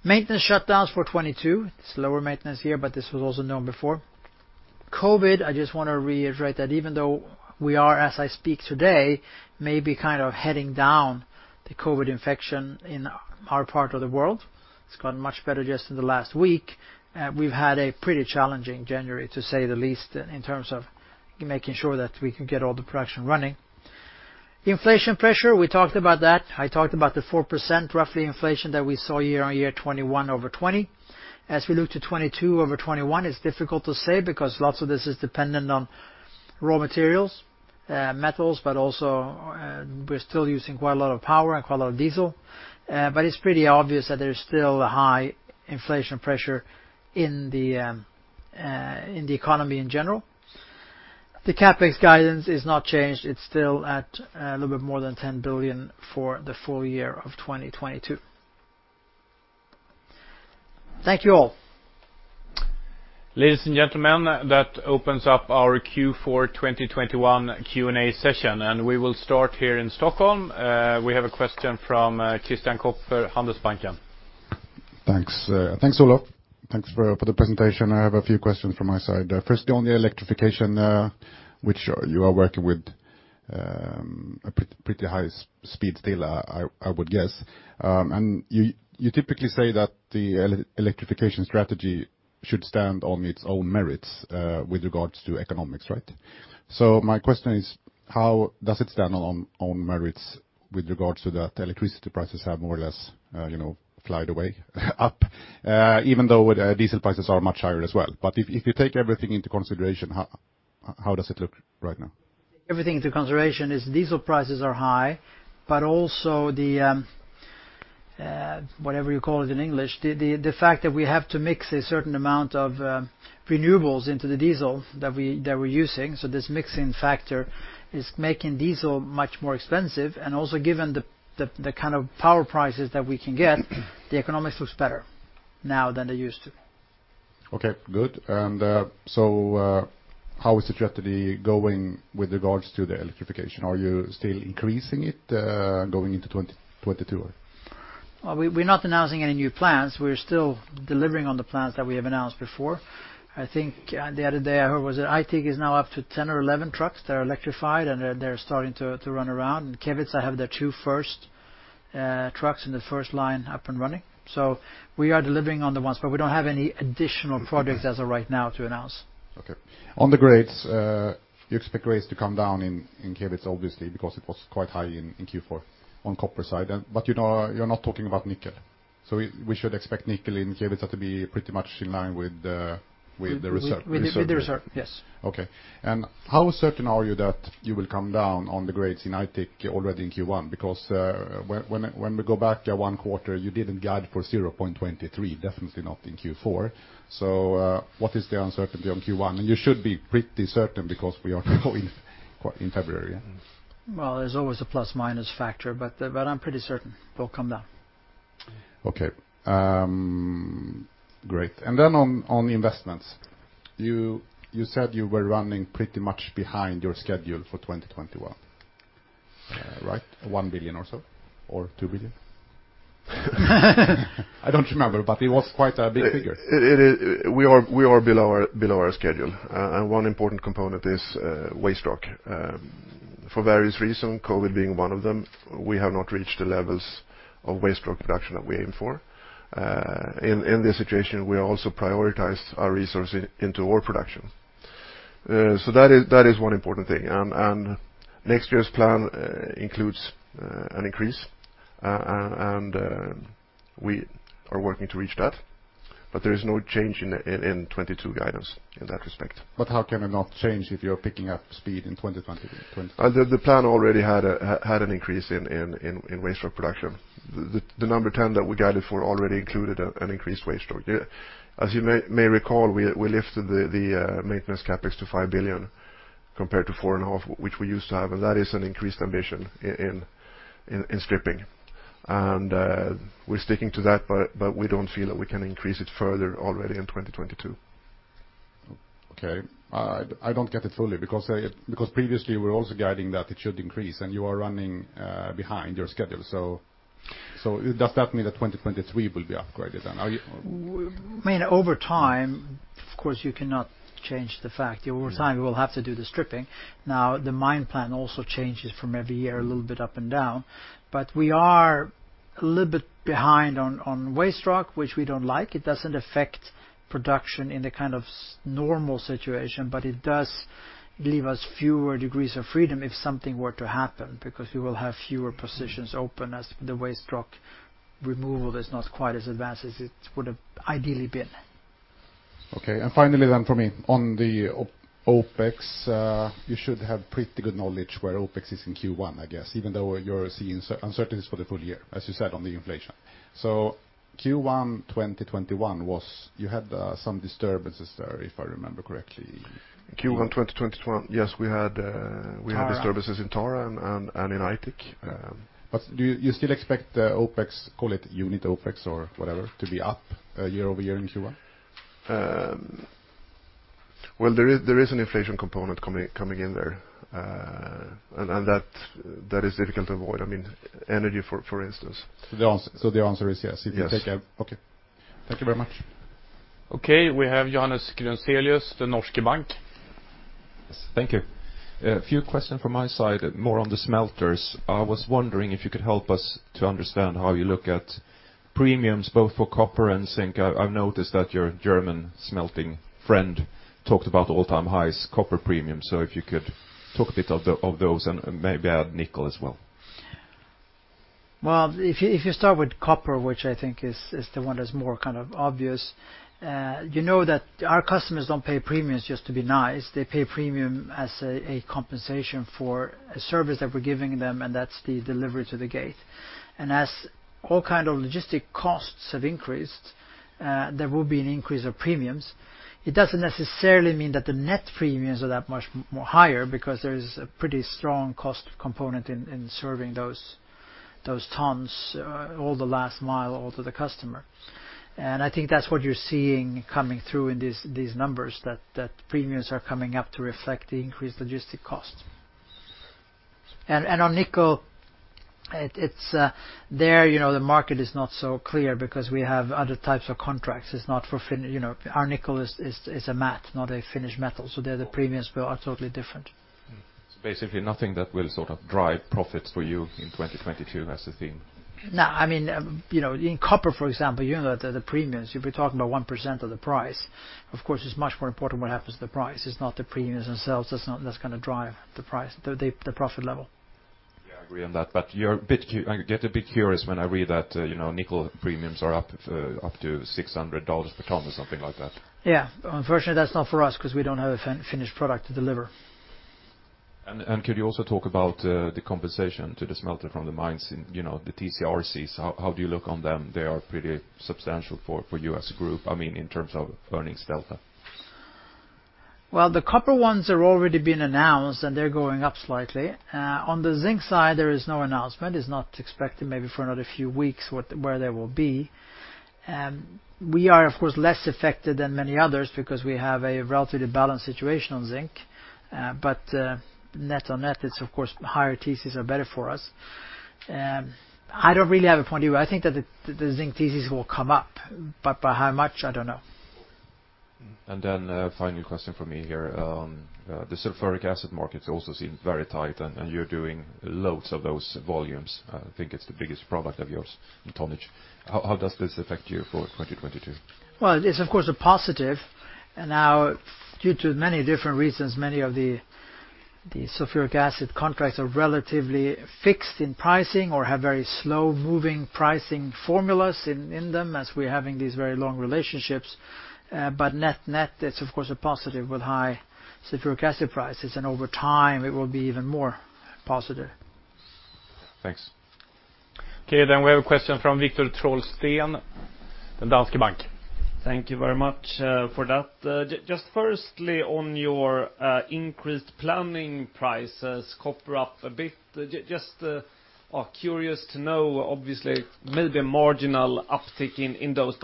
Maintenance shutdowns for 2022, slower maintenance here, but this was also known before. COVID, I just want to reiterate that even though we are, as I speak today, maybe kind of heading down the COVID infection in our part of the world, it's gotten much better just in the last week. We've had a pretty challenging January, to say the least, in terms of making sure that we can get all the production running. Inflation pressure, we talked about that. I talked about the 4% roughly inflation that we saw year-on-year 2021 over 2020. As we look to 2022 over 2021, it's difficult to say because lots of this is dependent on raw materials, metals, but also, we're still using quite a lot of power and quite a lot of diesel. It's pretty obvious that there's still a high inflation pressure in the economy in general. The CapEx guidance is not changed. It's still at a little bit more than 10 billion for the full year of 2022. Thank you all. Ladies and gentlemen, that opens up our Q4 2021 Q&A session, and we will start here in Stockholm. We have a question from Christian Kopfer, Handelsbanken. Thanks. Thanks, Olof. Thanks for the presentation. I have a few questions from my side. Firstly on the electrification, which you are working with a pretty high speed still, I would guess. You typically say that the electrification strategy should stand on its own merits with regards to economics, right? My question is, how does it stand on merits with regards to that electricity prices have more or less flown way up, even though diesel prices are much higher as well. If you take everything into consideration, how does it look right now? Everything taken into consideration, diesel prices are high, but also whatever you call it in English, the fact that we have to mix a certain amount of renewables into the diesel that we're using, so this mixing factor is making diesel much more expensive. Also, given the kind of power prices that we can get, the economics looks better now than they used to. Okay. Good. How is the strategy going with regards to the electrification? Are you still increasing it, going into 2022? Well, we're not announcing any new plans. We're still delivering on the plans that we have announced before. I think the other day I heard was that Aitik is now up to 10 or 11 trucks that are electrified, and they're starting to run around. Kevitsa have their two first trucks and the first line up and running. We are delivering on the ones, but we don't have any additional projects as of right now to announce. Okay. On the grades, you expect grades to come down in Kevitsa obviously because it was quite high in Q4 on copper side. You know, you're not talking about nickel. We should expect nickel in Kevitsa to be pretty much in line with the reserve. With the reserve, yes. Okay. How certain are you that you will come down on the grades in Aitik already in Q1? Because when we go back one quarter, you didn't guide for 0.23, definitely not in Q4. What is the uncertainty on Q1? You should be pretty certain because we are talking in February. Well, there's always a plus/minus factor, but I'm pretty certain it will come down. Okay. Great. On investments, you said you were running pretty much behind your schedule for 2021, right? 1 billion or so, or 2 billion? I don't remember, but it was quite a big figure. We are below our schedule. One important component is waste rock. For various reasons, COVID being one of them, we have not reached the levels of waste rock production that we aim for. In this situation, we also prioritized our resources into ore production. That is one important thing. We are working to reach that, but there is no change in 2022 guidance in that respect. How can it not change if you're picking up speed in 2020, 2022? The plan already had an increase in waste rock production. The number 10 that we guided for already included an increased waste rock. Yeah. As you may recall, we lifted the maintenance CapEx to 5 billion compared to 4.5 billion, which we used to have, and that is an increased ambition in stripping. We're sticking to that, but we don't feel that we can increase it further already in 2022. Okay. I don't get it fully because previously you were also guiding that it should increase and you are running behind your schedule. Does that mean that 2023 will be upgraded then? Are you- I mean, over time, of course you cannot change the fact. Over time we will have to do the stripping. Now, the mine plan also changes from every year a little bit up and down, but we are a little bit behind on waste rock, which we don't like. It doesn't affect production in the kind of normal situation, but it does leave us fewer degrees of freedom if something were to happen because we will have fewer positions open as the waste rock removal is not quite as advanced as it would have ideally been. Okay. Finally for me, on the OPEX, you should have pretty good knowledge where OPEX is in Q1, I guess, even though you're seeing uncertainties for the full year, as you said on the inflation. Q1 2021 was, you had some disturbances there, if I remember correctly. Q1 2021, yes, we had. Tara. disturbances in Tara and in Aitik. Do you still expect the OPEX, call it unit OPEX or whatever, to be up year-over-year in Q1? Well, there is an inflation component coming in there. That is difficult to avoid. I mean, energy for instance. The answer is yes. Yes. Okay. Thank you very much. Okay. We have Johannes Grunselius, Den Norske Bank. Yes. Thank you. A few questions from my side, more on the smelters. I was wondering if you could help us to understand how you look at premiums both for copper and zinc. I've noticed that your German smelting friend talked about all-time highs copper premiums. If you could talk a bit of those and maybe add nickel as well. Well, if you start with copper, which I think is the one that's more kind of obvious, you know that our customers don't pay premiums just to be nice. They pay premium as a compensation for a service that we're giving them, and that's the delivery to the gate. As all kind of logistic costs have increased, there will be an increase of premiums. It doesn't necessarily mean that the net premiums are that much more higher because there's a pretty strong cost component in serving those tons, all the last mile to the customer. I think that's what you're seeing coming through in these numbers that premiums are coming up to reflect the increased logistic costs. On nickel, it's there, you know, the market is not so clear because we have other types of contracts. You know, our nickel is a matte, not a finished metal. There the premiums are totally different. Basically nothing that will sort of drive profits for you in 2022 as a theme. No. I mean, you know, in copper, for example, you know that the premiums, if we're talking about 1% of the price, of course it's much more important what happens to the price. It's not the premiums themselves, that's gonna drive the price, the profit level. Yeah, I agree on that. I get a bit curious when I read that, you know, nickel premiums are up to $600 per ton or something like that. Yeah. Unfortunately, that's not for us 'cause we don't have a finished product to deliver. Could you also talk about the compensation to the smelter from the mines, you know, the TC/RCs, how do you look on them? They are pretty substantial for you as a group, I mean, in terms of earnings delta. Well, the copper ones are already been announced, and they're going up slightly. On the zinc side, there is no announcement. It's not expected maybe for another few weeks where they will be. We are of course less affected than many others because we have a relatively balanced situation on zinc. Net on net it's of course higher TCs are better for us. I don't really have a point of view. I think that the zinc TCs will come up, but by how much, I don't know. Then a final question from me here. The sulfuric acid markets also seem very tight, and you're doing loads of those volumes. I think it's the biggest product of yours in tonnage. How does this affect you for 2022? Well, it's of course a positive. Now due to many different reasons, many of the sulfuric acid contracts are relatively fixed in pricing or have very slow moving pricing formulas in them as we're having these very long relationships. Net-net, it's of course a positive with high sulfuric acid prices, and over time it will be even more positive. Thanks. Okay, we have a question from Viktor Trollsten of Danske Bank. Thank you very much for that. Just firstly on your increased planning prices, copper up a bit. Just curious to know, obviously maybe a marginal uptick in those.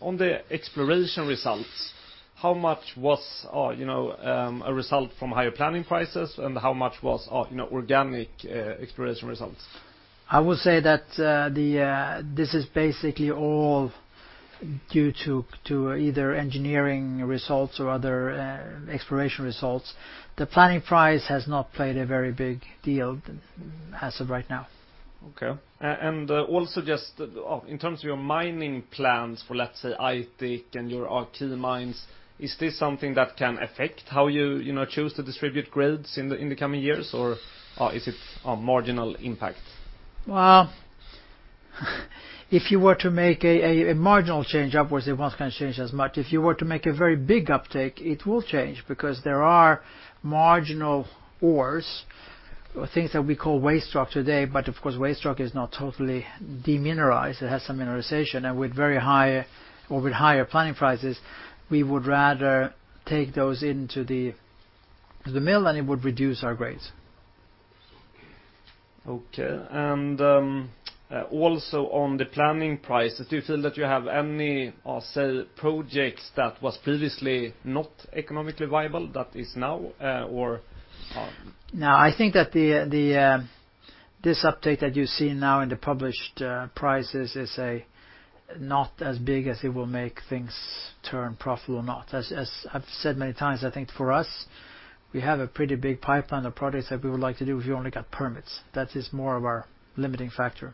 On the exploration results, how much was a result from higher planning prices, and how much was organic exploration results? I would say that this is basically all due to either engineering results or other exploration results. The planning price has not played a very big deal as of right now. Okay. Also just in terms of your mining plans for, let's say, Aitik and your other key mines, is this something that can affect how you choose to distribute grades in the coming years, or is it a marginal impact? Well, if you were to make a marginal change upwards, it was gonna change as much. If you were to make a very big uptake, it will change because there are marginal ores or things that we call waste rock today, but of course waste rock is not totally de-mineralized. It has some mineralization. With very high or with higher planning prices, we would rather take those into the mill, and it would reduce our grades. Okay. Also on the planning price, do you feel that you have any, say, projects that was previously not economically viable that is now, or? No, I think that the this update that you see now in the published prices is not as big as it will make things turn profitable or not. As I've said many times, I think for us, we have a pretty big pipeline of projects that we would like to do if we only got permits. That is more of our limiting factor.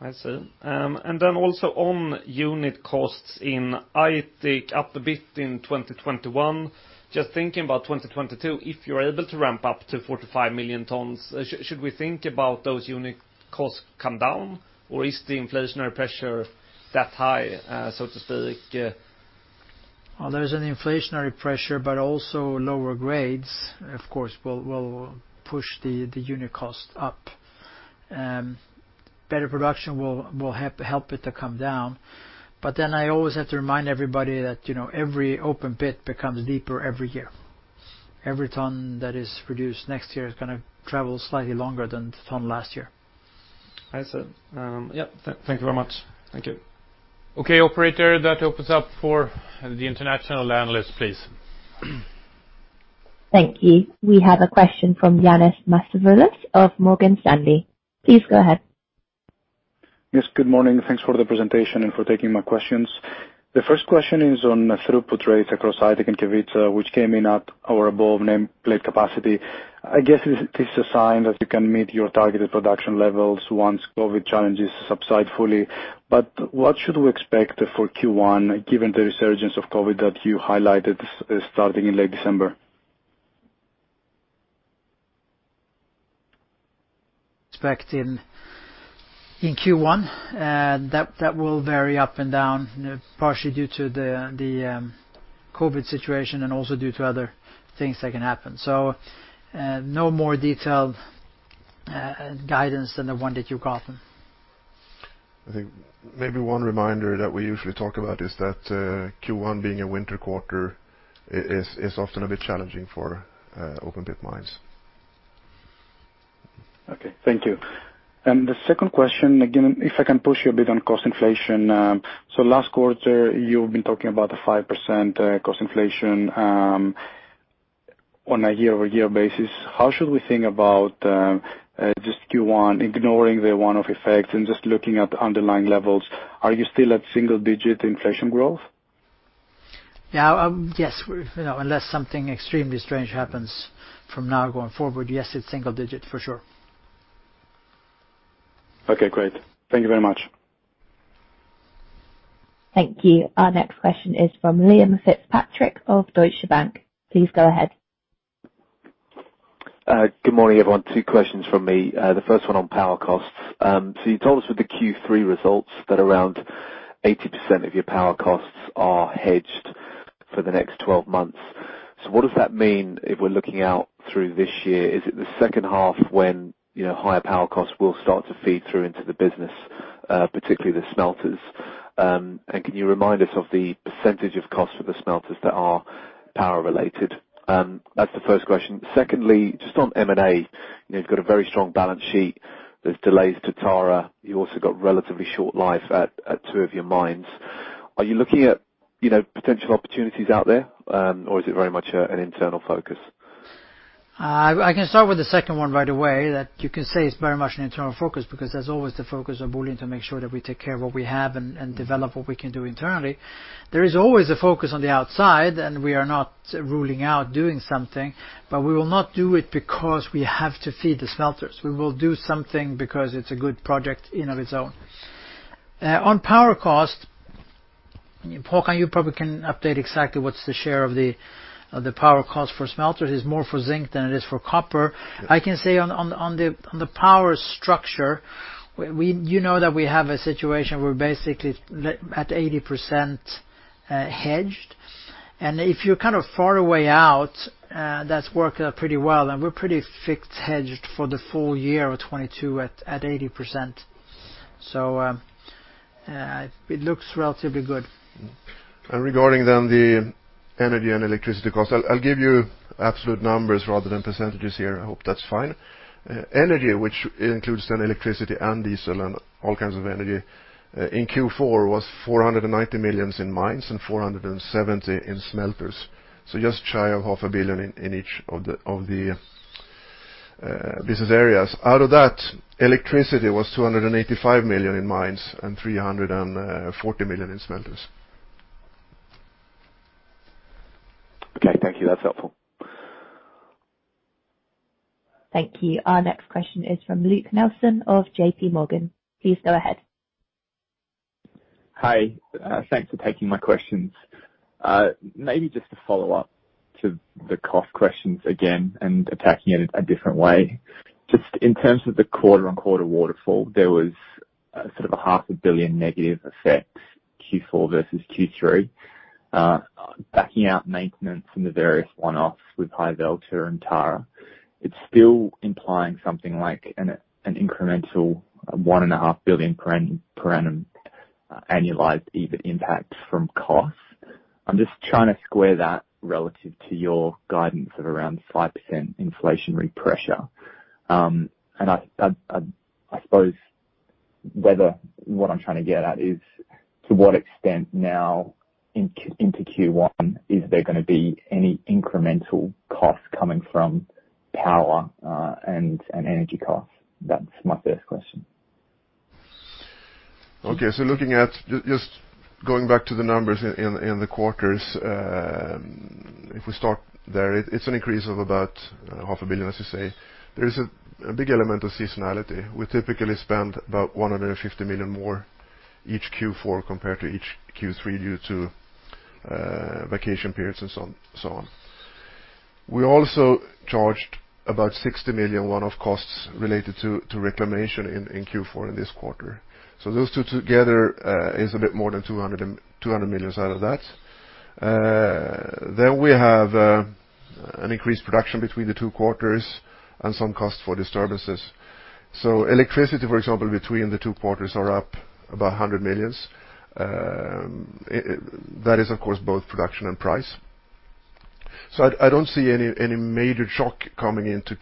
I see. Also on unit costs in Aitik up a bit in 2021, just thinking about 2022, if you're able to ramp up to 45 million tons, should we think about those unit costs come down, or is the inflationary pressure that high, so to speak? Well, there's an inflationary pressure, but also lower grades of course will push the unit cost up. Better production will help it to come down. I always have to remind everybody that every open pit becomes deeper every year. Every ton that is produced next year is gonna travel slightly longer than the ton last year. I see. Yeah. Thank you very much. Thank you. Okay, operator, that opens up for the international analysts, please. Thank you. We have a question from Ioannis Masvoulas of Morgan Stanley. Please go ahead. Yes, good morning. Thanks for the presentation and for taking my questions. The first question is on throughput rates across Aitik and Kevitsa, which came in at or above nameplate capacity. I guess this is a sign that you can meet your targeted production levels once COVID challenges subside fully. What should we expect for Q1 given the resurgence of COVID that you highlighted starting in late December? Expect in Q1 that will vary up and down, partially due to the COVID situation and also due to other things that can happen. No more detailed guidance than the one that you got. I think maybe one reminder that we usually talk about is that Q1 being a winter quarter is often a bit challenging for open pit mines. Okay. Thank you. The second question, again, if I can push you a bit on cost inflation. Last quarter you've been talking about a 5% cost inflation on a year-over-year basis. How should we think about just Q1, ignoring the one-off effects and just looking at underlying levels? Are you still at single digit inflation growth? Yeah. Yes, unless something extremely strange happens from now going forward, yes, it's single digit for sure. Okay, great. Thank you very much. Thank you. Our next question is from Liam Fitzpatrick of Deutsche Bank. Please go ahead. Good morning, everyone. Two questions from me. The first one on power costs. You told us with the Q3 results that around 80% of your power costs are hedged for the next 12 months. What does that mean if we're looking out through this year? Is it the second half when higher power costs will start to feed through into the business, particularly the smelters? And can you remind us of the percentage of cost for the smelters that are power-related? That's the first question. Secondly, just on M&A, you've got a very strong balance sheet. There's delays to Tara. You also got relatively short life at two of your mines. Are you looking at potential opportunities out there, or is it very much an internal focus? I can start with the second one right away, that you can say it's very much an internal focus because there's always the focus of Boliden to make sure that we take care of what we have and develop what we can do internally. There is always a focus on the outside, and we are not ruling out doing something, but we will not do it because we have to feed the smelters. We will do something because it's a good project in and of itself. On power cost, Håkan, you probably can update exactly what's the share of the power cost for smelters. It's more for zinc than it is for copper. I can say on the power structure, you know that we have a situation where basically at 80% hedged. If you're kind of far away out, that's worked out pretty well. We're pretty fixed hedged for the full year of 2022 at 80%. It looks relatively good. Regarding then the energy and electricity cost, I'll give you absolute numbers rather than percentages here. I hope that's fine. Energy, which includes then electricity and diesel and all kinds of energy, in Q4 was 490 million in Mines and 470 million in Smelters. Just shy of 500 million in each of the business areas. Out of that, electricity was 285 million in Mines and 340 million in Smelters. Okay, thank you. That's helpful. Thank you. Our next question is from Luke Nelson of J.P. Morgan. Please go ahead. Hi, thanks for taking my questions. Maybe just to follow up to the cost questions again and attacking it a different way. Just in terms of the quarter-on-quarter waterfall, there was sort of a 500 billion negative effect, Q4 versus Q3. Backing out maintenance and the various one-offs with Harjavalta and Tara, it's still implying something like an incremental 1.5 billion per annum annualized even impact from costs. I'm just trying to square that relative to your guidance of around 5% inflationary pressure. I suppose what I'm trying to get at is to what extent now into Q1 is there gonna be any incremental costs coming from power and energy costs? That's my first question. Looking at going back to the numbers in the quarters, if we start there, it is an increase of about 500 billion, as you say. There is a big element of seasonality. We typically spend about 150 million more each Q4 compared to each Q3 due to vacation periods and so on. We also charged about 60 million one-off costs related to reclamation in Q4 in this quarter. Those two together is a bit more than 200 million side of that. We have an increased production between the two quarters and some cost for disturbances. Electricity, for example, between the two quarters are up about 100 million. That is, of course, both production and price. I don't see any major shock coming into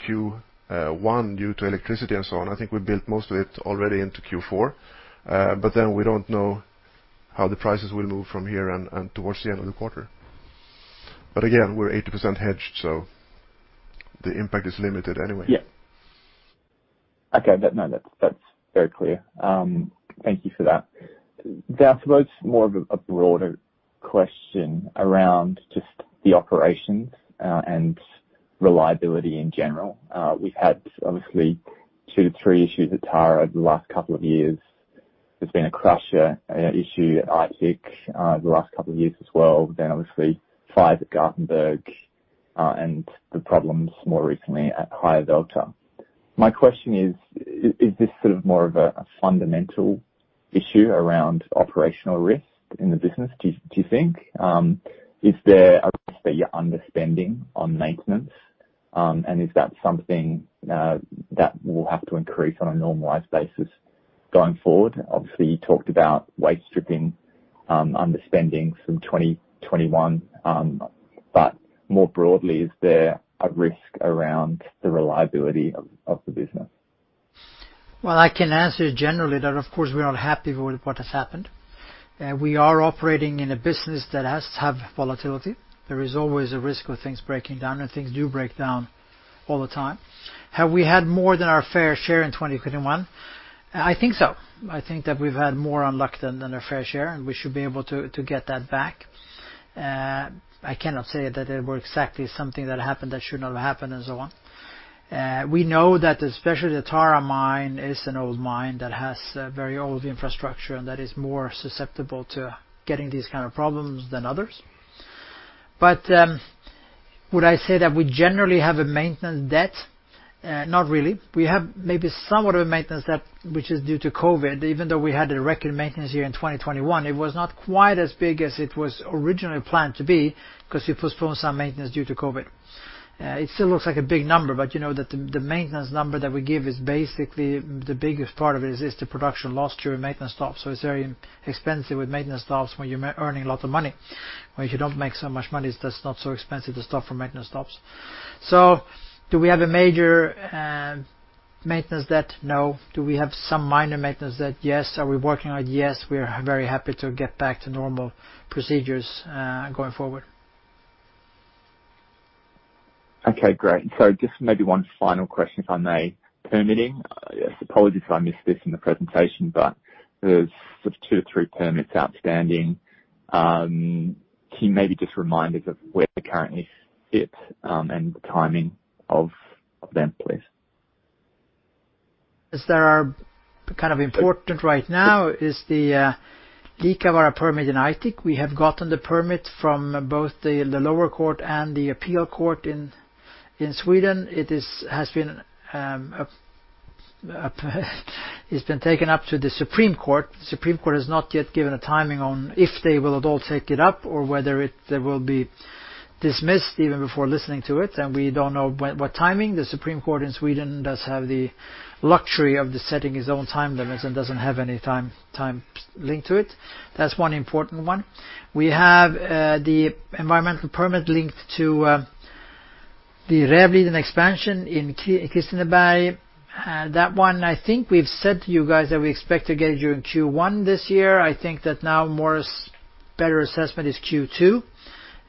Q1 due to electricity and so on. I think we built most of it already into Q4, but then we don't know how the prices will move from here and towards the end of the quarter. Again, we're 80% hedged, so the impact is limited anyway. Yeah. Okay. No, that's very clear. Thank you for that. I suppose more of a broader question around just the operations and reliability in general. We've had obviously two to three issues at Tara the last couple of years. There's been a crusher issue at Aitik the last couple of years as well, then obviously fires at Garpenberg and the problems more recently at Harjavalta. My question is this sort of more of a fundamental issue around operational risk in the business, do you think? Is there a risk that you're underspending on maintenance and is that something that will have to increase on a normalized basis going forward? Obviously, you talked about waste stripping underspending from 2021, but more broadly, is there a risk around the reliability of the business? Well, I can answer generally that, of course, we're not happy with what has happened. We are operating in a business that has to have volatility. There is always a risk of things breaking down, and things do break down all the time. Have we had more than our fair share in 2021? I think so. I think that we've had more bad luck than our fair share, and we should be able to get that back. I cannot say that there were exactly something that happened that should not have happened and so on. We know that especially the Tara mine is an old mine that has a very old infrastructure and that is more susceptible to getting these kind of problems than others. Would I say that we generally have a maintenance debt? Not really. We have maybe somewhat of a maintenance debt which is due to COVID. Even though we had a record maintenance year in 2021, it was not quite as big as it was originally planned to be because we postponed some maintenance due to COVID. It still looks like a big number, but you know that the maintenance number that we give is basically, the biggest part of it is the production loss during maintenance stops. It's very expensive with maintenance stops when you're earning lots of money. When you don't make so much money, it's just not so expensive to stop for maintenance stops. Do we have a major maintenance debt? No. Do we have some minor maintenance debt? Yes. Are we working on it? Yes. We are very happy to get back to normal procedures going forward. Okay, great. Just maybe one final question, if I may. Permitting. I apologize if I missed this in the presentation, but there's sort of two or three permits outstanding. Can you maybe just remind us of where they currently sit, and the timing of them, please? Kind of important right now is the Liikavaara permit in Aitik. We have gotten the permit from both the lower court and the appeal court in Sweden. It's been taken up to the Supreme Court. The Supreme Court has not yet given a timing on if they will at all take it up or whether it will be dismissed even before listening to it, and we don't know what timing. The Supreme Court in Sweden does have the luxury of setting its own time limits and doesn't have any time linked to it. That's one important one. We have the environmental permit linked to the Rävliden expansion in Kristineberg. That one I think we've said to you guys that we expect to get it during Q1 this year. I think that now more or less better assessment is Q2.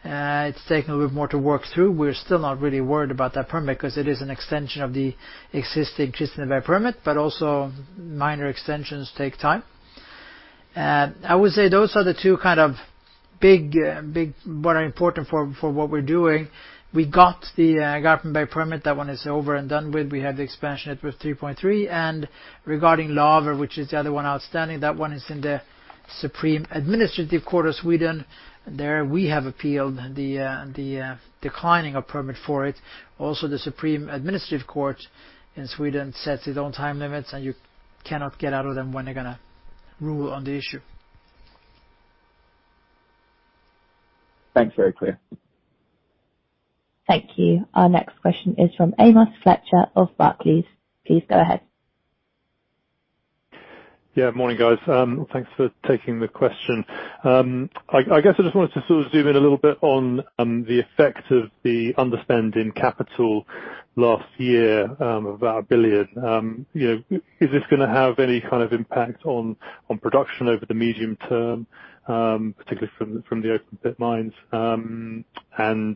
It's taking a bit more to work through. We're still not really worried about that permit because it is an extension of the existing Kristineberg permit, but also minor extensions take time. I would say those are the two kind of big what are important for what we're doing. We got the Garpenberg permit. That one is over and done with. We have the expansion at sort of 3.3. Regarding Laver, which is the other one outstanding, that one is in the Supreme Administrative Court of Sweden. There we have appealed the declining of permit for it. Also, the Supreme Administrative Court in Sweden sets its own time limits, and you cannot get out of them when they're gonna rule on the issue. Thanks. Very clear. Thank you. Our next question is from Amos Fletcher of Barclays. Please go ahead. Yeah. Morning, guys. Thanks for taking the question. I guess I just wanted to sort of zoom in a little bit on the effect of the underspend in capital last year of about 1 billion. Is this gonna have any kind of impact on production over the medium term, particularly from the open pit mines? Can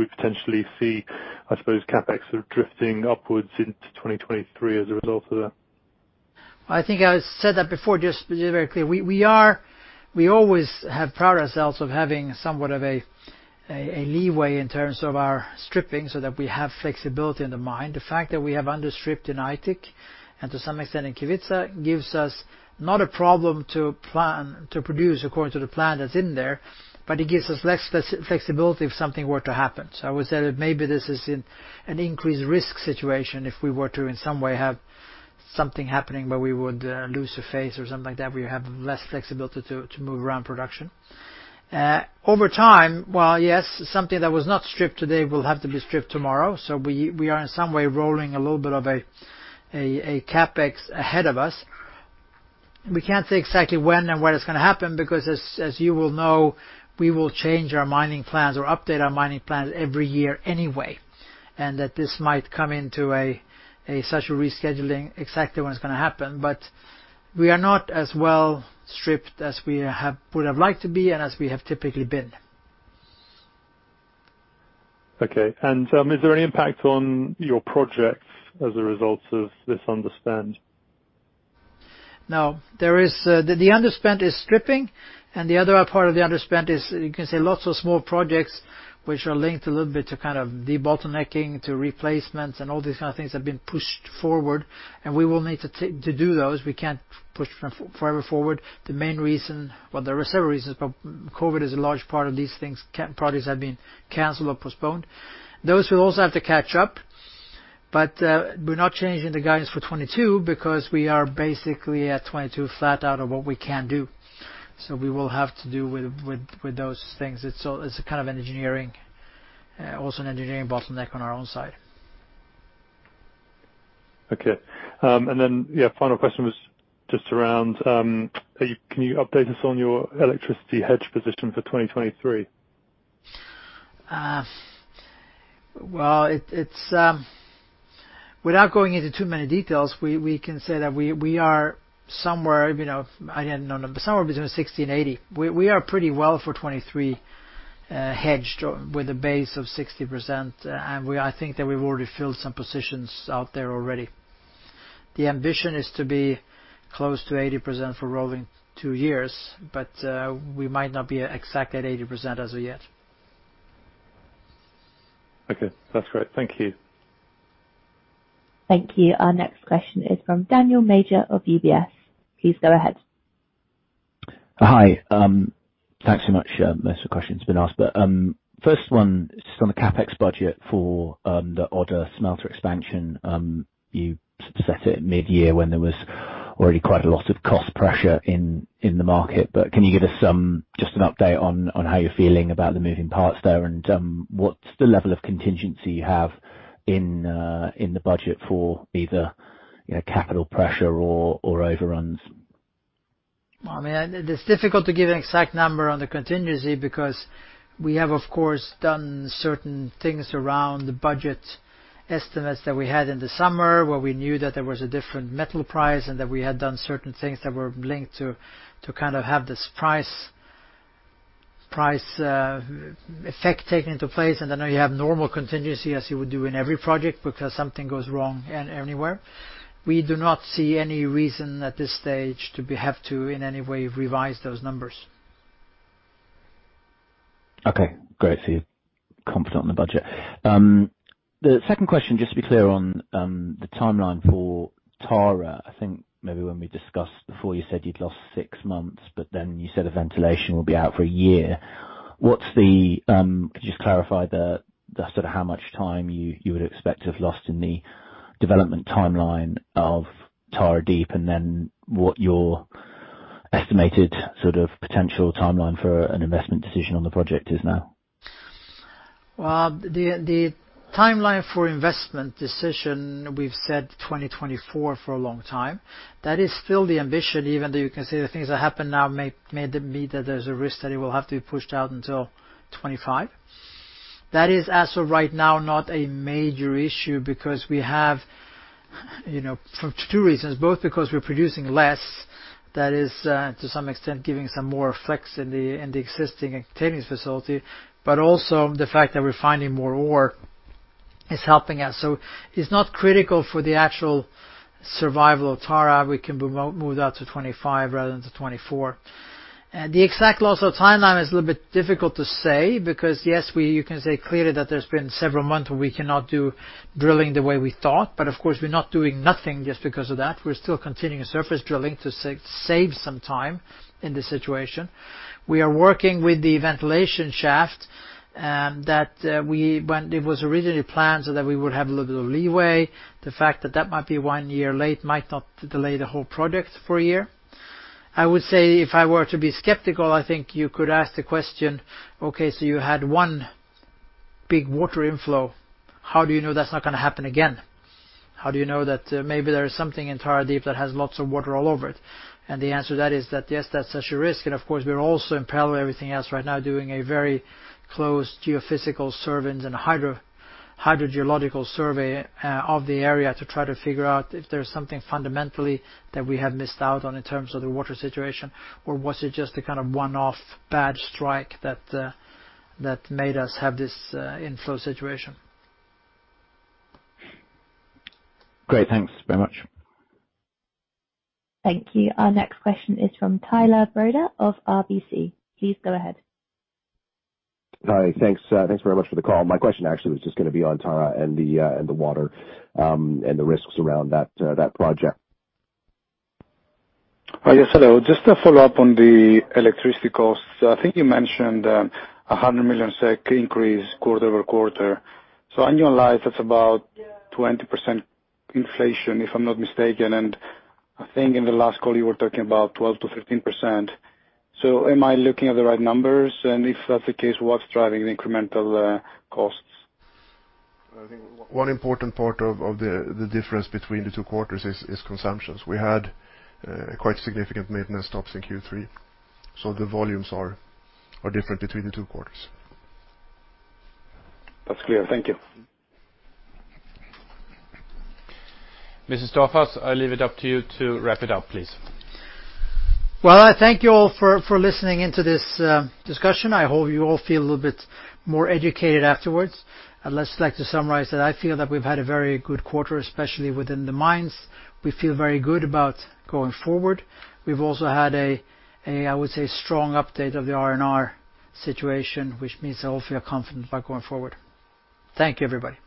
we potentially see, I suppose, CapEx sort of drifting upwards into 2023 as a result of that? I think I said that before, just to be very clear. We always have prided ourselves of having somewhat of a leeway in terms of our stripping so that we have flexibility in the mine. The fact that we have under-stripped in Aitik, and to some extent in Kevitsa, gives us not a problem to produce according to the plan that's in there, but it gives us less flexibility if something were to happen. I would say that maybe this is an increased risk situation if we were to in some way have something happening where we would lose a phase or something like that, where you have less flexibility to move around production. Over time, while yes, something that was not stripped today will have to be stripped tomorrow, so we are in some way rolling a little bit of a CapEx ahead of us. We can't say exactly when and where it's gonna happen because as you all know, we will change our mining plans or update our mining plans every year anyway, and that this might come into such a rescheduling exactly when it's gonna happen. But we are not as well stripped as we would have liked to be and as we have typically been. Okay. Is there any impact on your projects as a result of this underspend? No. There is, the underspend is stripping and the other part of the underspend is you can say lots of small projects which are linked a little bit to kind of de-bottlenecking, to replacements, and all these kind of things have been pushed forward, and we will need to do those. We can't push them forever forward. The main reason. Well, there are several reasons, but COVID is a large part of these things. Projects have been canceled or postponed. Those we'll also have to catch up. We're not changing the guidance for 2022 because we are basically at 2022 flat out of what we can do. We will have to do with those things. It's a kind of engineering, also an engineering bottleneck on our own side. Okay. Yeah, final question was just around, can you update us on your electricity hedge position for 2023? Well, without going into too many details, we can say that we are somewhere, you know, I don't know the number, somewhere between 60 and 80. We are pretty well for 2023 hedged with a base of 60%, and I think that we've already filled some positions out there already. The ambition is to be close to 80% for rolling two years, but we might not be exactly at 80% as of yet. Okay. That's great. Thank you. Thank you. Our next question is from Daniel Major of UBS. Please go ahead. Hi. Thanks so much, most of the questions been asked. First one is on the CapEx budget for the Odda smelter expansion. You set it mid-year when there was already quite a lot of cost pressure in the market, but can you give us some just an update on how you're feeling about the moving parts there, and what's the level of contingency you have in the budget for either, you know, capital pressure or overruns? I mean, it is difficult to give an exact number on the contingency because we have, of course, done certain things around the budget estimates that we had in the summer, where we knew that there was a different metal price and that we had done certain things that were linked to kind of have this price effect taking into place. Then now you have normal contingency, as you would do in every project, because something goes wrong anywhere. We do not see any reason at this stage to have to, in any way, revise those numbers. Okay, great. You're confident in the budget. The second question, just to be clear on the timeline for Tara, I think maybe when we discussed before, you said you'd lost six months, but then you said the ventilation will be out for a year. Could you just clarify the sort of how much time you would expect to have lost in the development timeline of Tara Deep? And then what your estimated sort of potential timeline for an investment decision on the project is now? The timeline for investment decision, we've said 2024 for a long time. That is still the ambition, even though you can say the things that happened now may mean that there's a risk that it will have to be pushed out until 2025. That is, as of right now, not a major issue because of two reasons— both because we're producing less, that is, to some extent giving some more effects in the existing and containing facility, but also the fact that we're finding more ore is helping us. It's not critical for the actual survival of Tara. We can move it out to 2025 rather than to 2024. The exact loss of timeline is a little bit difficult to say because, yes, you can say clearly that there's been several months where we cannot do drilling the way we thought, but of course we're not doing nothing just because of that. We're still continuing surface drilling to save some time in this situation. We are working with the ventilation shaft, that, when it was originally planned so that we would have a little bit of leeway. The fact that that might be one year late might not delay the whole project for a year. I would say if I were to be skeptical, I think you could ask the question, "Okay, so you had one big water inflow. How do you know that's not gonna happen again? How do you know that, maybe there is something in Tara Deep that has lots of water all over it?" The answer to that is that, yes, that's such a risk. Of course, we're also in parallel with everything else right now doing a very close geophysical survey and hydrogeological survey of the area to try to figure out if there's something fundamentally that we have missed out on in terms of the water situation, or was it just a kind of one-off bad strike that made us have this inflow situation. Great. Thanks very much. Thank you. Our next question is from Tyler Broda of RBC. Please go ahead. Hi. Thanks very much for the call. My question actually was just gonna be on Tara and the water and the risks around that project. Hi. Yes, hello. Just to follow up on the electricity costs. I think you mentioned a 100 million SEK increase quarter-over-quarter. Annualize, that's about 20% inflation, if I'm not mistaken. I think in the last call, you were talking about 12%-15%. Am I looking at the right numbers? If that's the case, what's driving the incremental costs? I think one important part of the difference between the two quarters is consumptions. We had quite significant maintenance stops in Q3, so the volumes are different between the two quarters. That's clear. Thank you. Mr. Staffas, I leave it up to you to wrap it up, please. Well, I thank you all for listening into this discussion. I hope you all feel a little bit more educated afterwards. I'd just like to summarize that I feel that we've had a very good quarter, especially within the mines. We feel very good about going forward. We've also had a strong update of the R&R situation, which means that we all feel confident about going forward. Thank you, everybody.